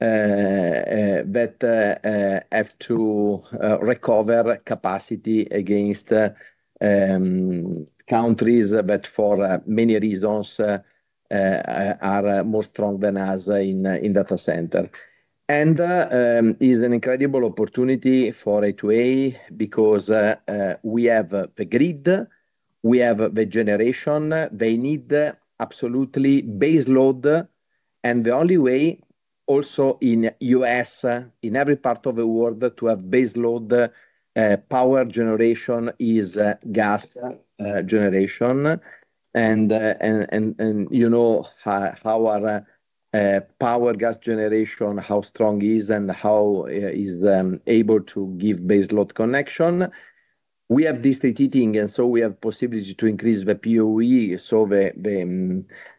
that have to recover capacity against countries, but for many reasons are more strong than us in data center. And it's an incredible opportunity for H2A because we have the grid, we have the generation, they need absolutely baseload. And the only way also in U. S. In every part of the world to have baseload power generation is gas generation. And you know how our power gas generation, how strong is and how is able to give baseload connection. We have district heating and so we have possibility to increase the POE, so the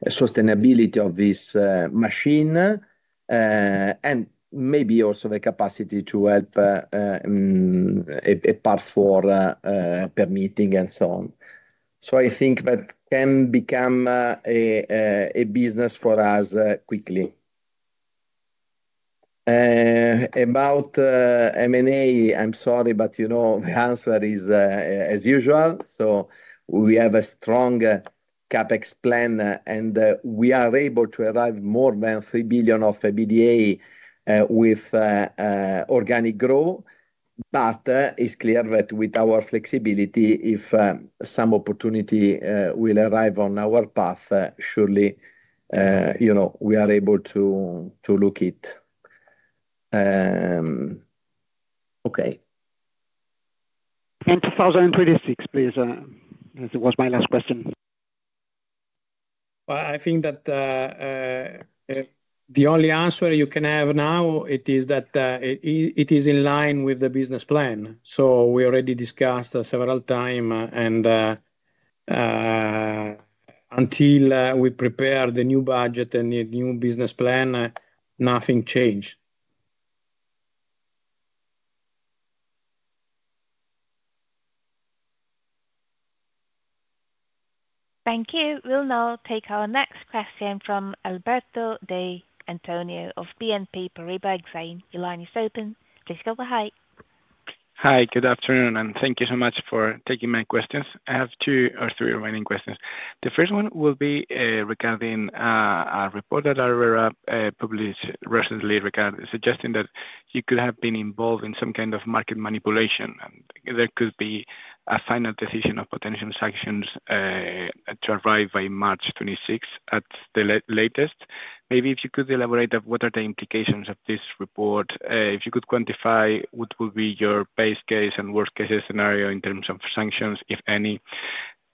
sustainability of this machine and maybe also the capacity to have a path for permitting and so on. So I think that can become a business for us quickly. About M and A, I'm sorry, but the answer is as usual. So we have a strong CapEx plan and we are able to arrive more than €3,000,000,000 of EBITDA with organic growth. But it's clear that with our flexibility, if some opportunity will arrive on our path, surely we are able to look it. And 2036 please, was my last question. Well, I think that the only answer you can have now, it is that it is in line with the business plan. So we already discussed several time. And until we prepare the new budget and the new business plan, nothing change. Thank you. We'll now take our next question from Alberto De Antonio of BNP Paribas. Your line is open. Please go ahead. Hi, good afternoon and thank you so much for taking my questions. I have two or three remaining questions. The first one will be regarding report that Aurora published recently regarding suggesting that you could have been involved in some kind of market manipulation. There could be a final decision of potential sanctions to arrive by March 26 at the latest. Maybe if you could elaborate what are the implications of this report? If you could quantify what will be your base case and worst case scenario in terms of sanctions, if any?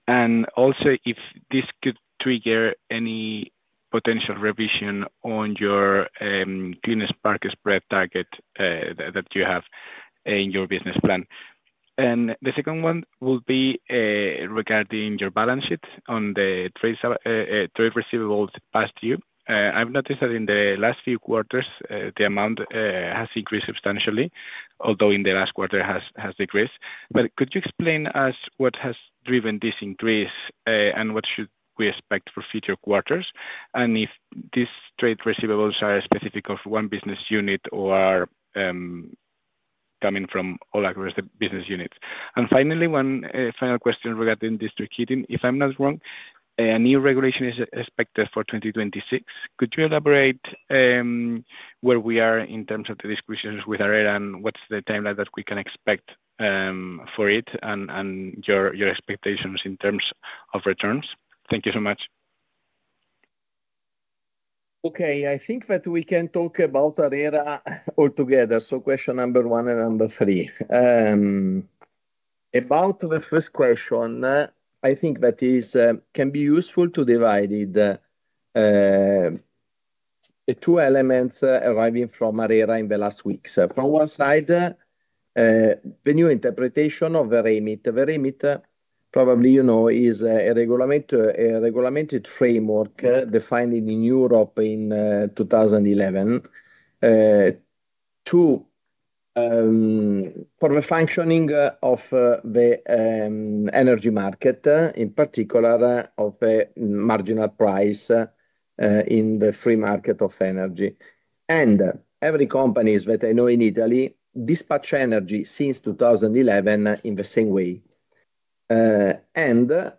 And also if this could trigger any potential revision on your Guiness Park spread target that you have in your business plan? And the second one will be regarding your balance sheet on the receivables past due. I've noticed that in the last few quarters, the amount has increased substantially, although in the last quarter has decreased. But could you explain us what has driven this increase? And what should we expect for future quarters? And if these trade receivables are specific of one business unit or coming from all aggressive business units? And finally, one final question regarding district heating. If I'm not wrong, a new regulation is expected for 2026. Could you elaborate where we are in terms of the discussions with Airea? And what's the time line that we can expect for it and your expectations in terms of returns? Thank you so much. Okay. I think that we can talk about Adera altogether. So question number one and number three. About the first question, I think that is can be useful to divide the two elements arriving from Mareira in the last weeks. From one side, the new interpretation of the RAIMIT. The RAIMIT probably is a regulated framework defined in Europe in 2011. Two, for the functioning of the energy market, in particular of marginal price in the free market of energy. And every company that I know in Italy dispatch energy since 2011 in the same way. And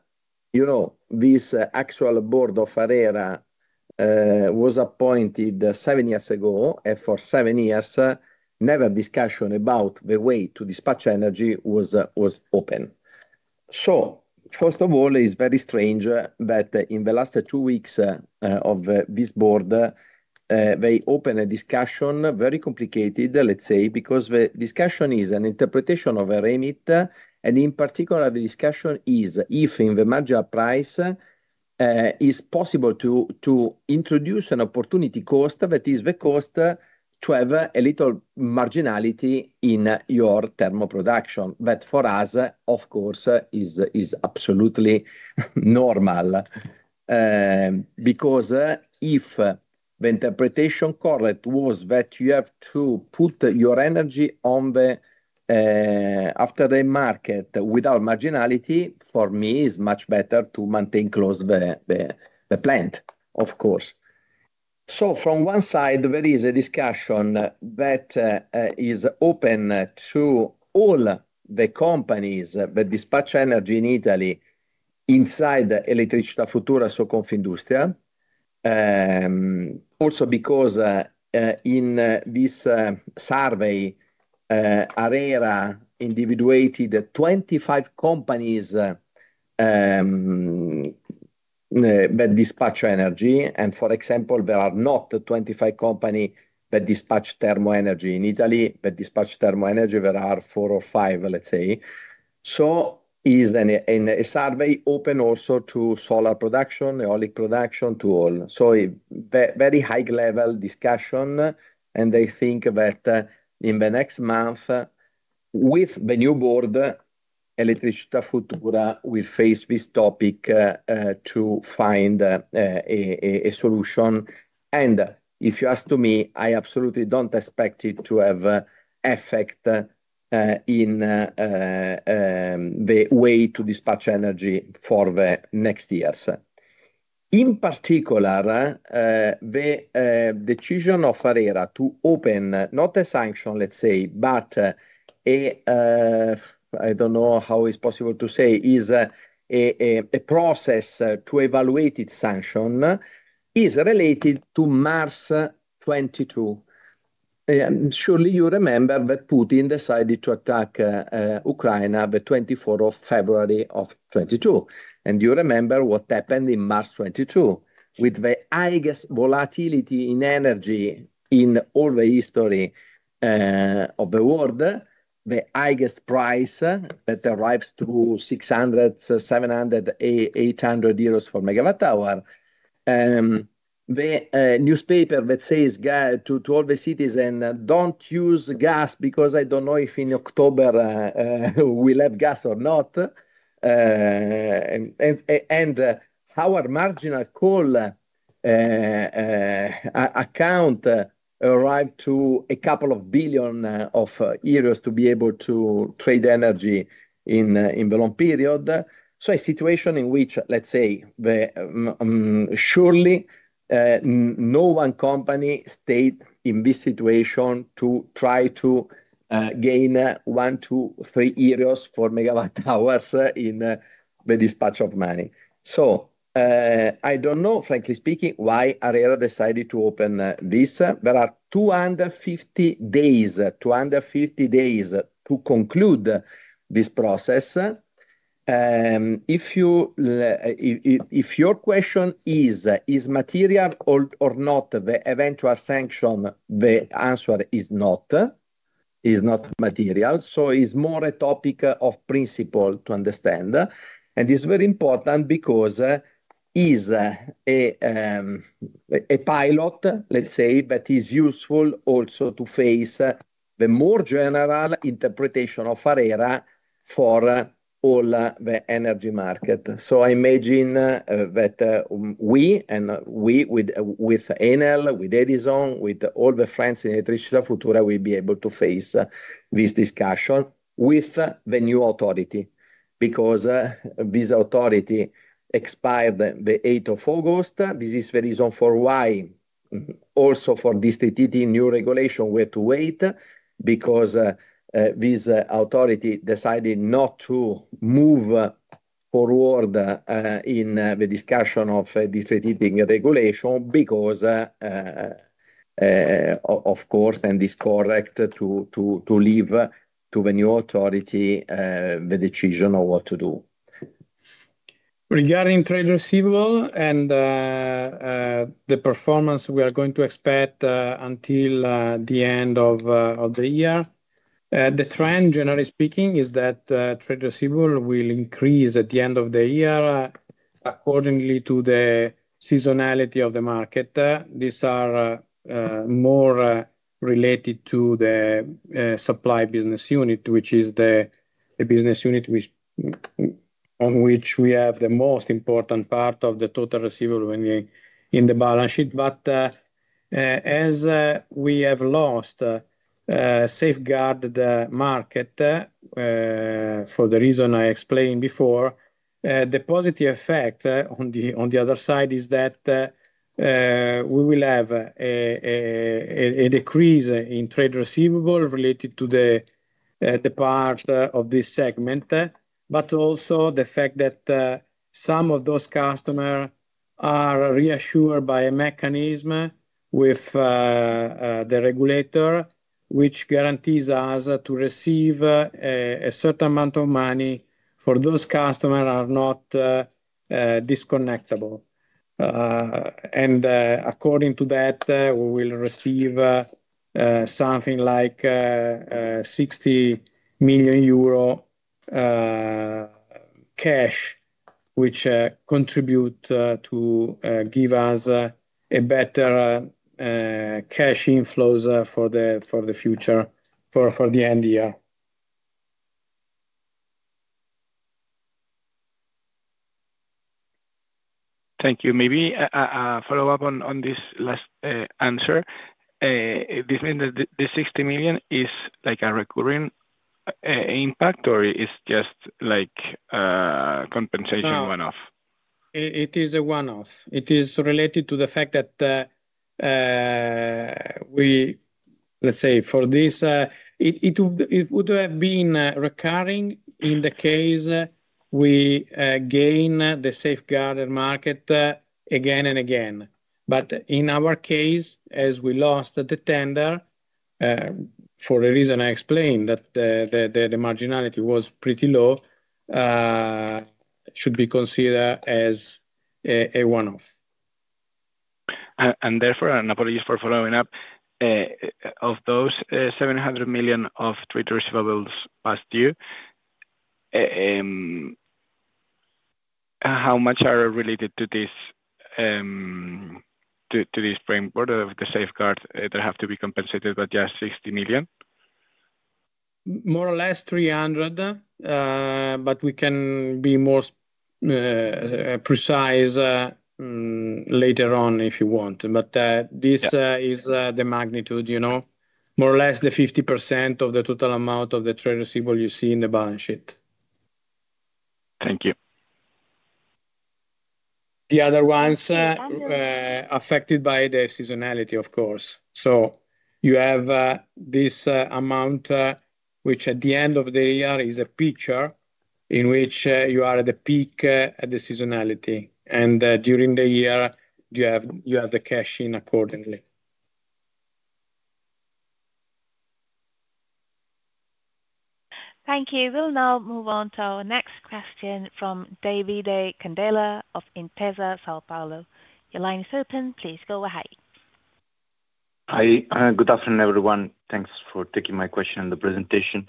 this actual Board of Herrera was appointed seven years ago. And for seven years, never discussion about the way to dispatch energy was open. So first of all, it's very strange that in the last two weeks of this Board, they opened a discussion very complicated, let's say, because the discussion is an interpretation of a remit. And in particular, the discussion is if in the marginal price is possible to introduce an opportunity cost that is the cost to have a little marginality in your thermal production. But for us, of course, is absolutely normal because if the interpretation correlate was that you have to put your energy on the after day market without marginality. For me, it's much better to maintain close the plant, of course. So from one side, there is a discussion that is open to all the companies that dispatch energy in Italy inside Eletrizta Futura, so Confiendustia. Also because in this survey, Aera individuated 25 companies that dispatch energy. And for example, there are not 25 company that dispatch thermal energy. In Italy, that dispatch thermal energy, there are four or five, let's say. So is then is that very open also to solar production, neolip production to all? So a very high level discussion. And I think that in the next month, with the new Board, Eletricita Futagura will face this topic to find a solution. And if you ask to me, I absolutely don't expect it to have effect in the way to dispatch energy for the next years. In particular, the decision of Ferreira to open not a sanction, let's say, but a I don't know how it's possible to say, is a process to evaluate its sanction is related to March 22. Surely you remember that Putin decided to attack Ukraine on the 02/24/2022. And you remember what happened in March 2022. With the highest volatility in energy in all the history of the world, the highest price that arrives to €600 €700 €800 per megawatt hour. Newspaper that says to all the cities and don't use gas because I don't know if in October we'll have gas or not. And our marginal coal account arrived to a couple of billion of euros to be able to trade energy in the long period. So a situation in which, let's say, surely no one company stayed in this situation to try to gain one, two, three, four megawatt hours in the dispatch of money. So I don't know, frankly speaking, why Areola decided to open this. There are two fifty days to conclude this process. If your question is material or not the eventual sanction, the answer is not material. So it's more a topic of principle to understand. And it's very important because it's a pilot, let's say, but it's useful also to face the more general interpretation of Ferreira for all the energy market. So I imagine that we and we with Enel, with Edison, with all the friends in Hetrichs de Futura will be able to face this discussion with the new authority, because this authority expired the August 8. This is the reason for why also for this TTT new regulation we have to wait, because this authority decided not to move forward in the discussion of this strategic regulation because, of course, and it's correct to leave to the new authority the decision of what to do. Regarding trade receivable and the performance we are going to expect until the end of the year. The trend, generally speaking, is that trade receivable will increase at the end of the year accordingly to the seasonality of the market. These are more related to the supply business unit, which is the business unit which on which we have the most important part of the total receivable in the balance sheet. But as we have lost safeguarded market for the reason I explained before, the positive effect on the other side is that we will have a decrease in trade receivable related to the part of this segment, but also the fact that some of those customers are reassured by a mechanism with the regulator, which guarantees us to receive a certain amount of money for those customers are not disconnectable. And according to that, we will receive something like €60,000,000 cash, which contribute to give us a better cash inflows for the future for the end year. Thank you. Maybe a follow-up on this last answer. This means that the 60,000,000 is like a recurring impact or it's just like compensation No. One It is a one off. It is related to the fact that we let's say, for this, it would have been recurring in the case we gain the safeguarded market again and again. But in our case, as we lost the tender, for the reason I explained that the marginality was pretty low, should be considered as a one off. And therefore, and apologies for following up, of those €700,000,000 of trade receivables past year, how much are related to this framework of the safeguard that have to be compensated by just 60,000,000 More or less 300,000,000, but we can be more precise later on if you want. But this is the magnitude, more or less the 50% of the total amount of the trade receivable you see in the balance sheet. Thank you. The other ones affected by the seasonality, of course. So you have, this amount, which at the end of the year is a picture in which, you are at the peak, at the seasonality. And, during the year, you have the cash in accordingly. Thank you. We'll now move on to our next question from David Candela of Intesa Sanpaolo. Your line is open. Please go ahead. Hi, good afternoon everyone. Thanks for taking my question and the presentation.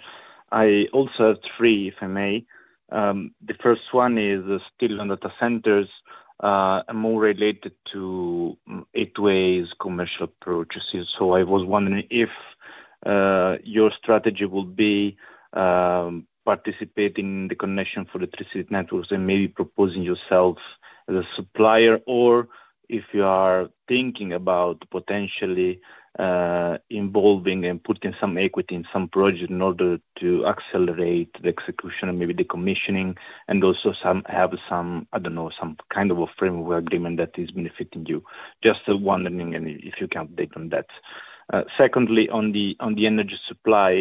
I also have three if I may. The first one is still on data centers more related to eight ways commercial purchases. So I was wondering if your strategy will be participating in the connection for the three seat networks and maybe proposing yourself as a supplier or if you are thinking about potentially involving and putting some equity in some project in order to accelerate the execution and maybe decommissioning and also some have some, I don't know, some kind of a framework agreement that is benefiting you. Just wondering if you can update on that. Secondly, on the energy supply,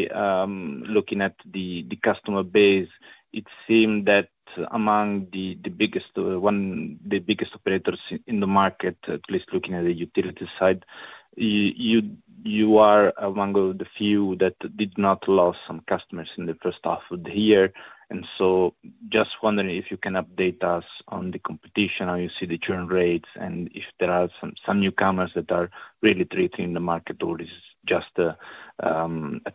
looking at the customer base, it seemed that among the biggest operators in the market, at least looking at the utility side, you are among the few that did not lost some customers in the first half of the year. And so just wondering if you can update us on the competition, how you see the churn rates and if there are some newcomers that are really treating the market or is this just a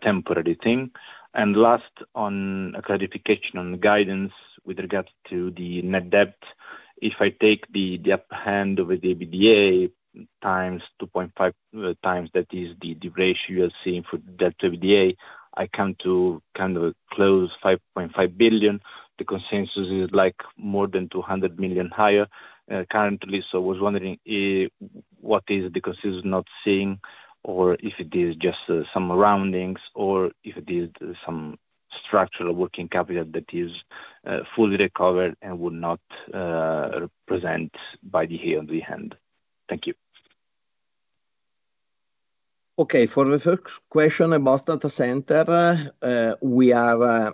temporary thing? And last on a clarification on the guidance with regards to the net debt. If I take the upper hand of EBITDA times 2.5 times that is the ratio you're seeing for debt to EBITDA, I come to kind of close 5,500,000,000.0 The consensus is like more than 200,000,000 higher currently. So I was wondering what is the consensus not seeing or if it is just some surroundings or if it is some structural working capital that is fully recovered and would not present by the A on B hand? Thank you. Okay. For the first question about data center, we are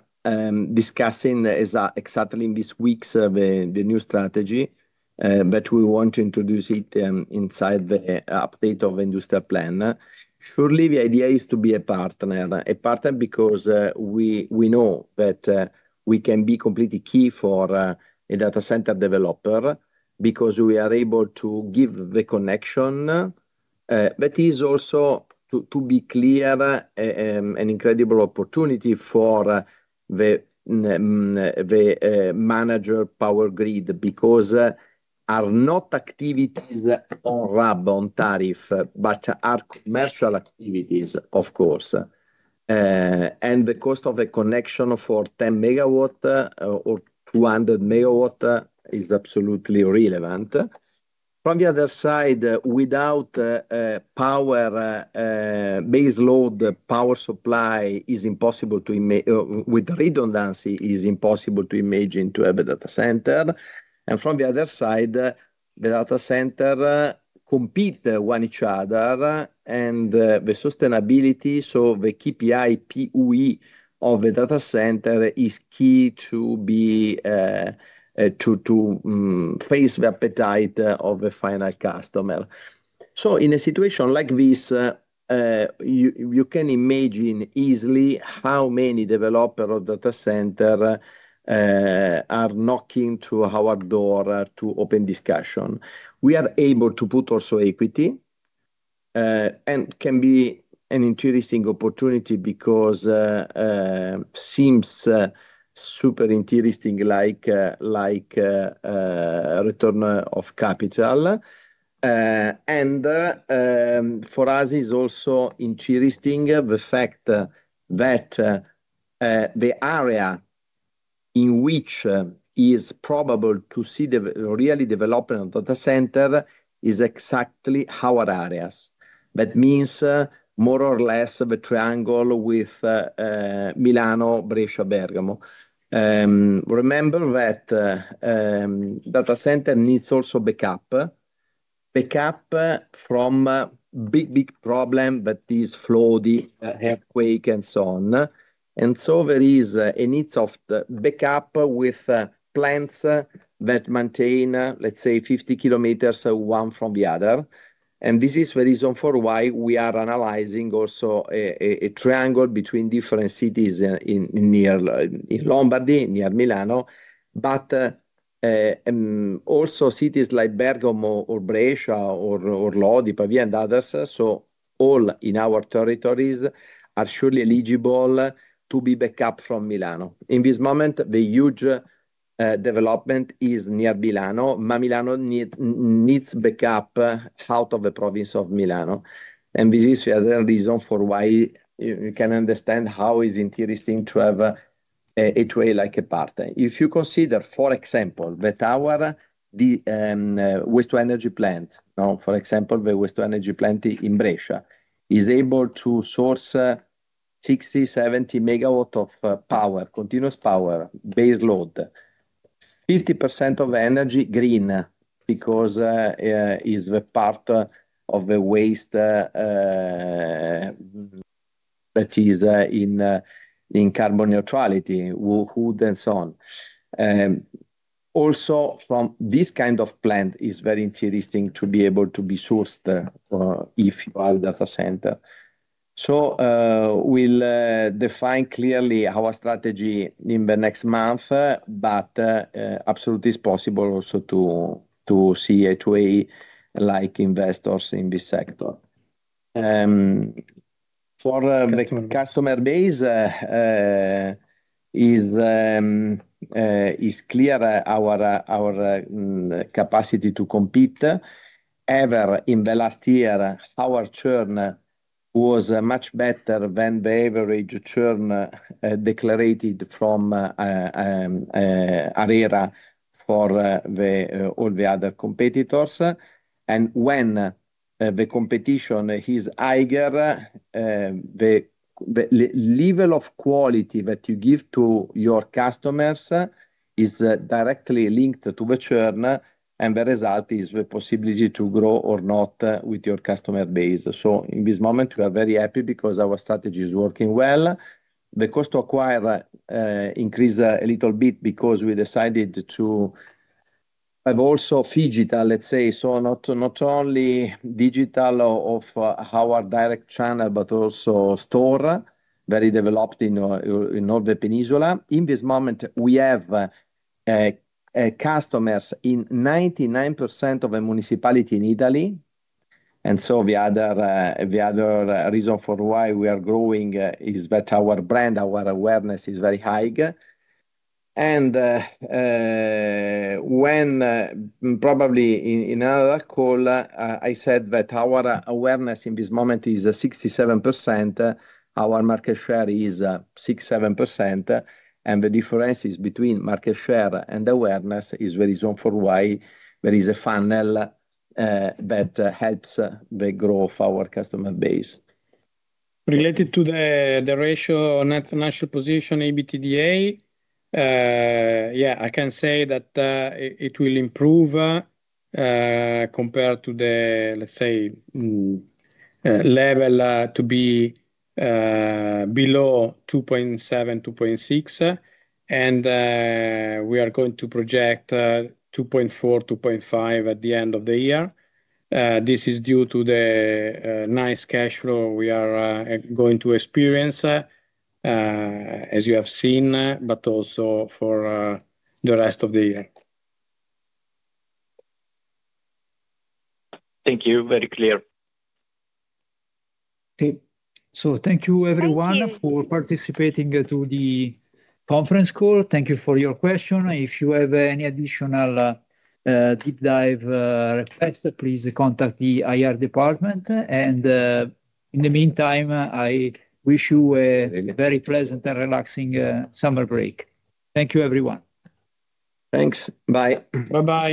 discussing exactly in this week the new strategy, but we want to introduce it inside the update of the industrial plan. Surely, the idea is to be a partner, a partner because we know that we can be completely key for a data center developer because we are able to give the connection. That is also to be clear an incredible opportunity for the manager power grid because are not activities on ramp on tariff, but are commercial activities of course. And the cost of the connection for 10 megawatt or 200 megawatt is absolutely irrelevant. From the other side, without power base load, the power supply is impossible to with redundancy is impossible to imagine to have a data center. And from the other side, the data center compete one each other and the sustainability. So the KPI, POE of the data center is key to be to face the appetite of the final customer. So in a situation like this, you can imagine easily how many developer or data center are knocking to our door to open discussion. We are able to put also equity and can be an interesting opportunity because it seems super interesting like return of capital. And for us, it's also interesting the fact that the area in which is probable to see the really development of data center is exactly our areas. That means more or less the triangle with Milano, Brescia, Bergamo. Remember that data center needs also backup. Backup from big, big problem that is flow the earthquake and so on. And so there is a need of backup with plants that maintain, let's say, 50 kilometers one from the other. And this is the reason for why we are analyzing also a triangle between different cities in near in Lombardy, near Milano, but also cities like Bergamo or Brescia or Lodipavia and others, so all in our territories are surely eligible to be back up from Milano. In this moment, the huge development is near Milano. Mamilano needs back up south of the province of Milano. And this is the other reason for why you can understand how it's interesting to have H2A like a partner. If you consider, for example, that our the waste to energy plant, for example, the waste to energy plant in Brescia is able to source sixty, seventy megawatt of power, continuous power, baseload, 50% of energy green because it's a part of the waste that is in carbon neutrality, Wohud and so on. Also from this kind of plant is very interesting to be able to be sourced if you have a data center. So, we'll define clearly our strategy in the next month, but absolutely it's possible also to see a way like investors in this sector. Customer base is clear our capacity to compete. Ever in the last year, our churn was much better than the average churn declared from Aera for all the other competitors. And when the competition is higher, the level of quality that you give to your customers is directly linked to the churn and the result is the possibility to grow or not with your customer base. So in this moment, we are very happy because our strategy is working well. The cost to acquire increased a little bit because we decided to have also FIGITAL, let's say, so not only digital of our direct channel, but also store very developed in Northern Peninsula. In this moment, we have customers in 99% of the municipality in Italy. And so the other reason for why we are growing is that our brand, our awareness is very high. And when probably in another call, I said that our awareness in this moment is 67%. Our market share is 6%, 7%. And the differences between market share and awareness is the reason for why there is a funnel that helps the growth of our customer base. Related to the ratio on net financial position EBITDA, yes, I can say that it will improve compared to the, let's say, level to be below 2.7%, 2.6%. And we are going to project 2,400,000,000.0 2,500,000,000.0 at the end of the year. This is due to the nice cash flow we are going to experience, as you have seen, but also for the rest of the year. Thank you. Very clear. So thank you everyone for participating to the conference call. Thank you for your question. If you have any additional deep dive request, please contact the IR department. And in the meantime, I wish you a very pleasant and relaxing summer break. Thank you, everyone. Thanks. Bye. Bye bye.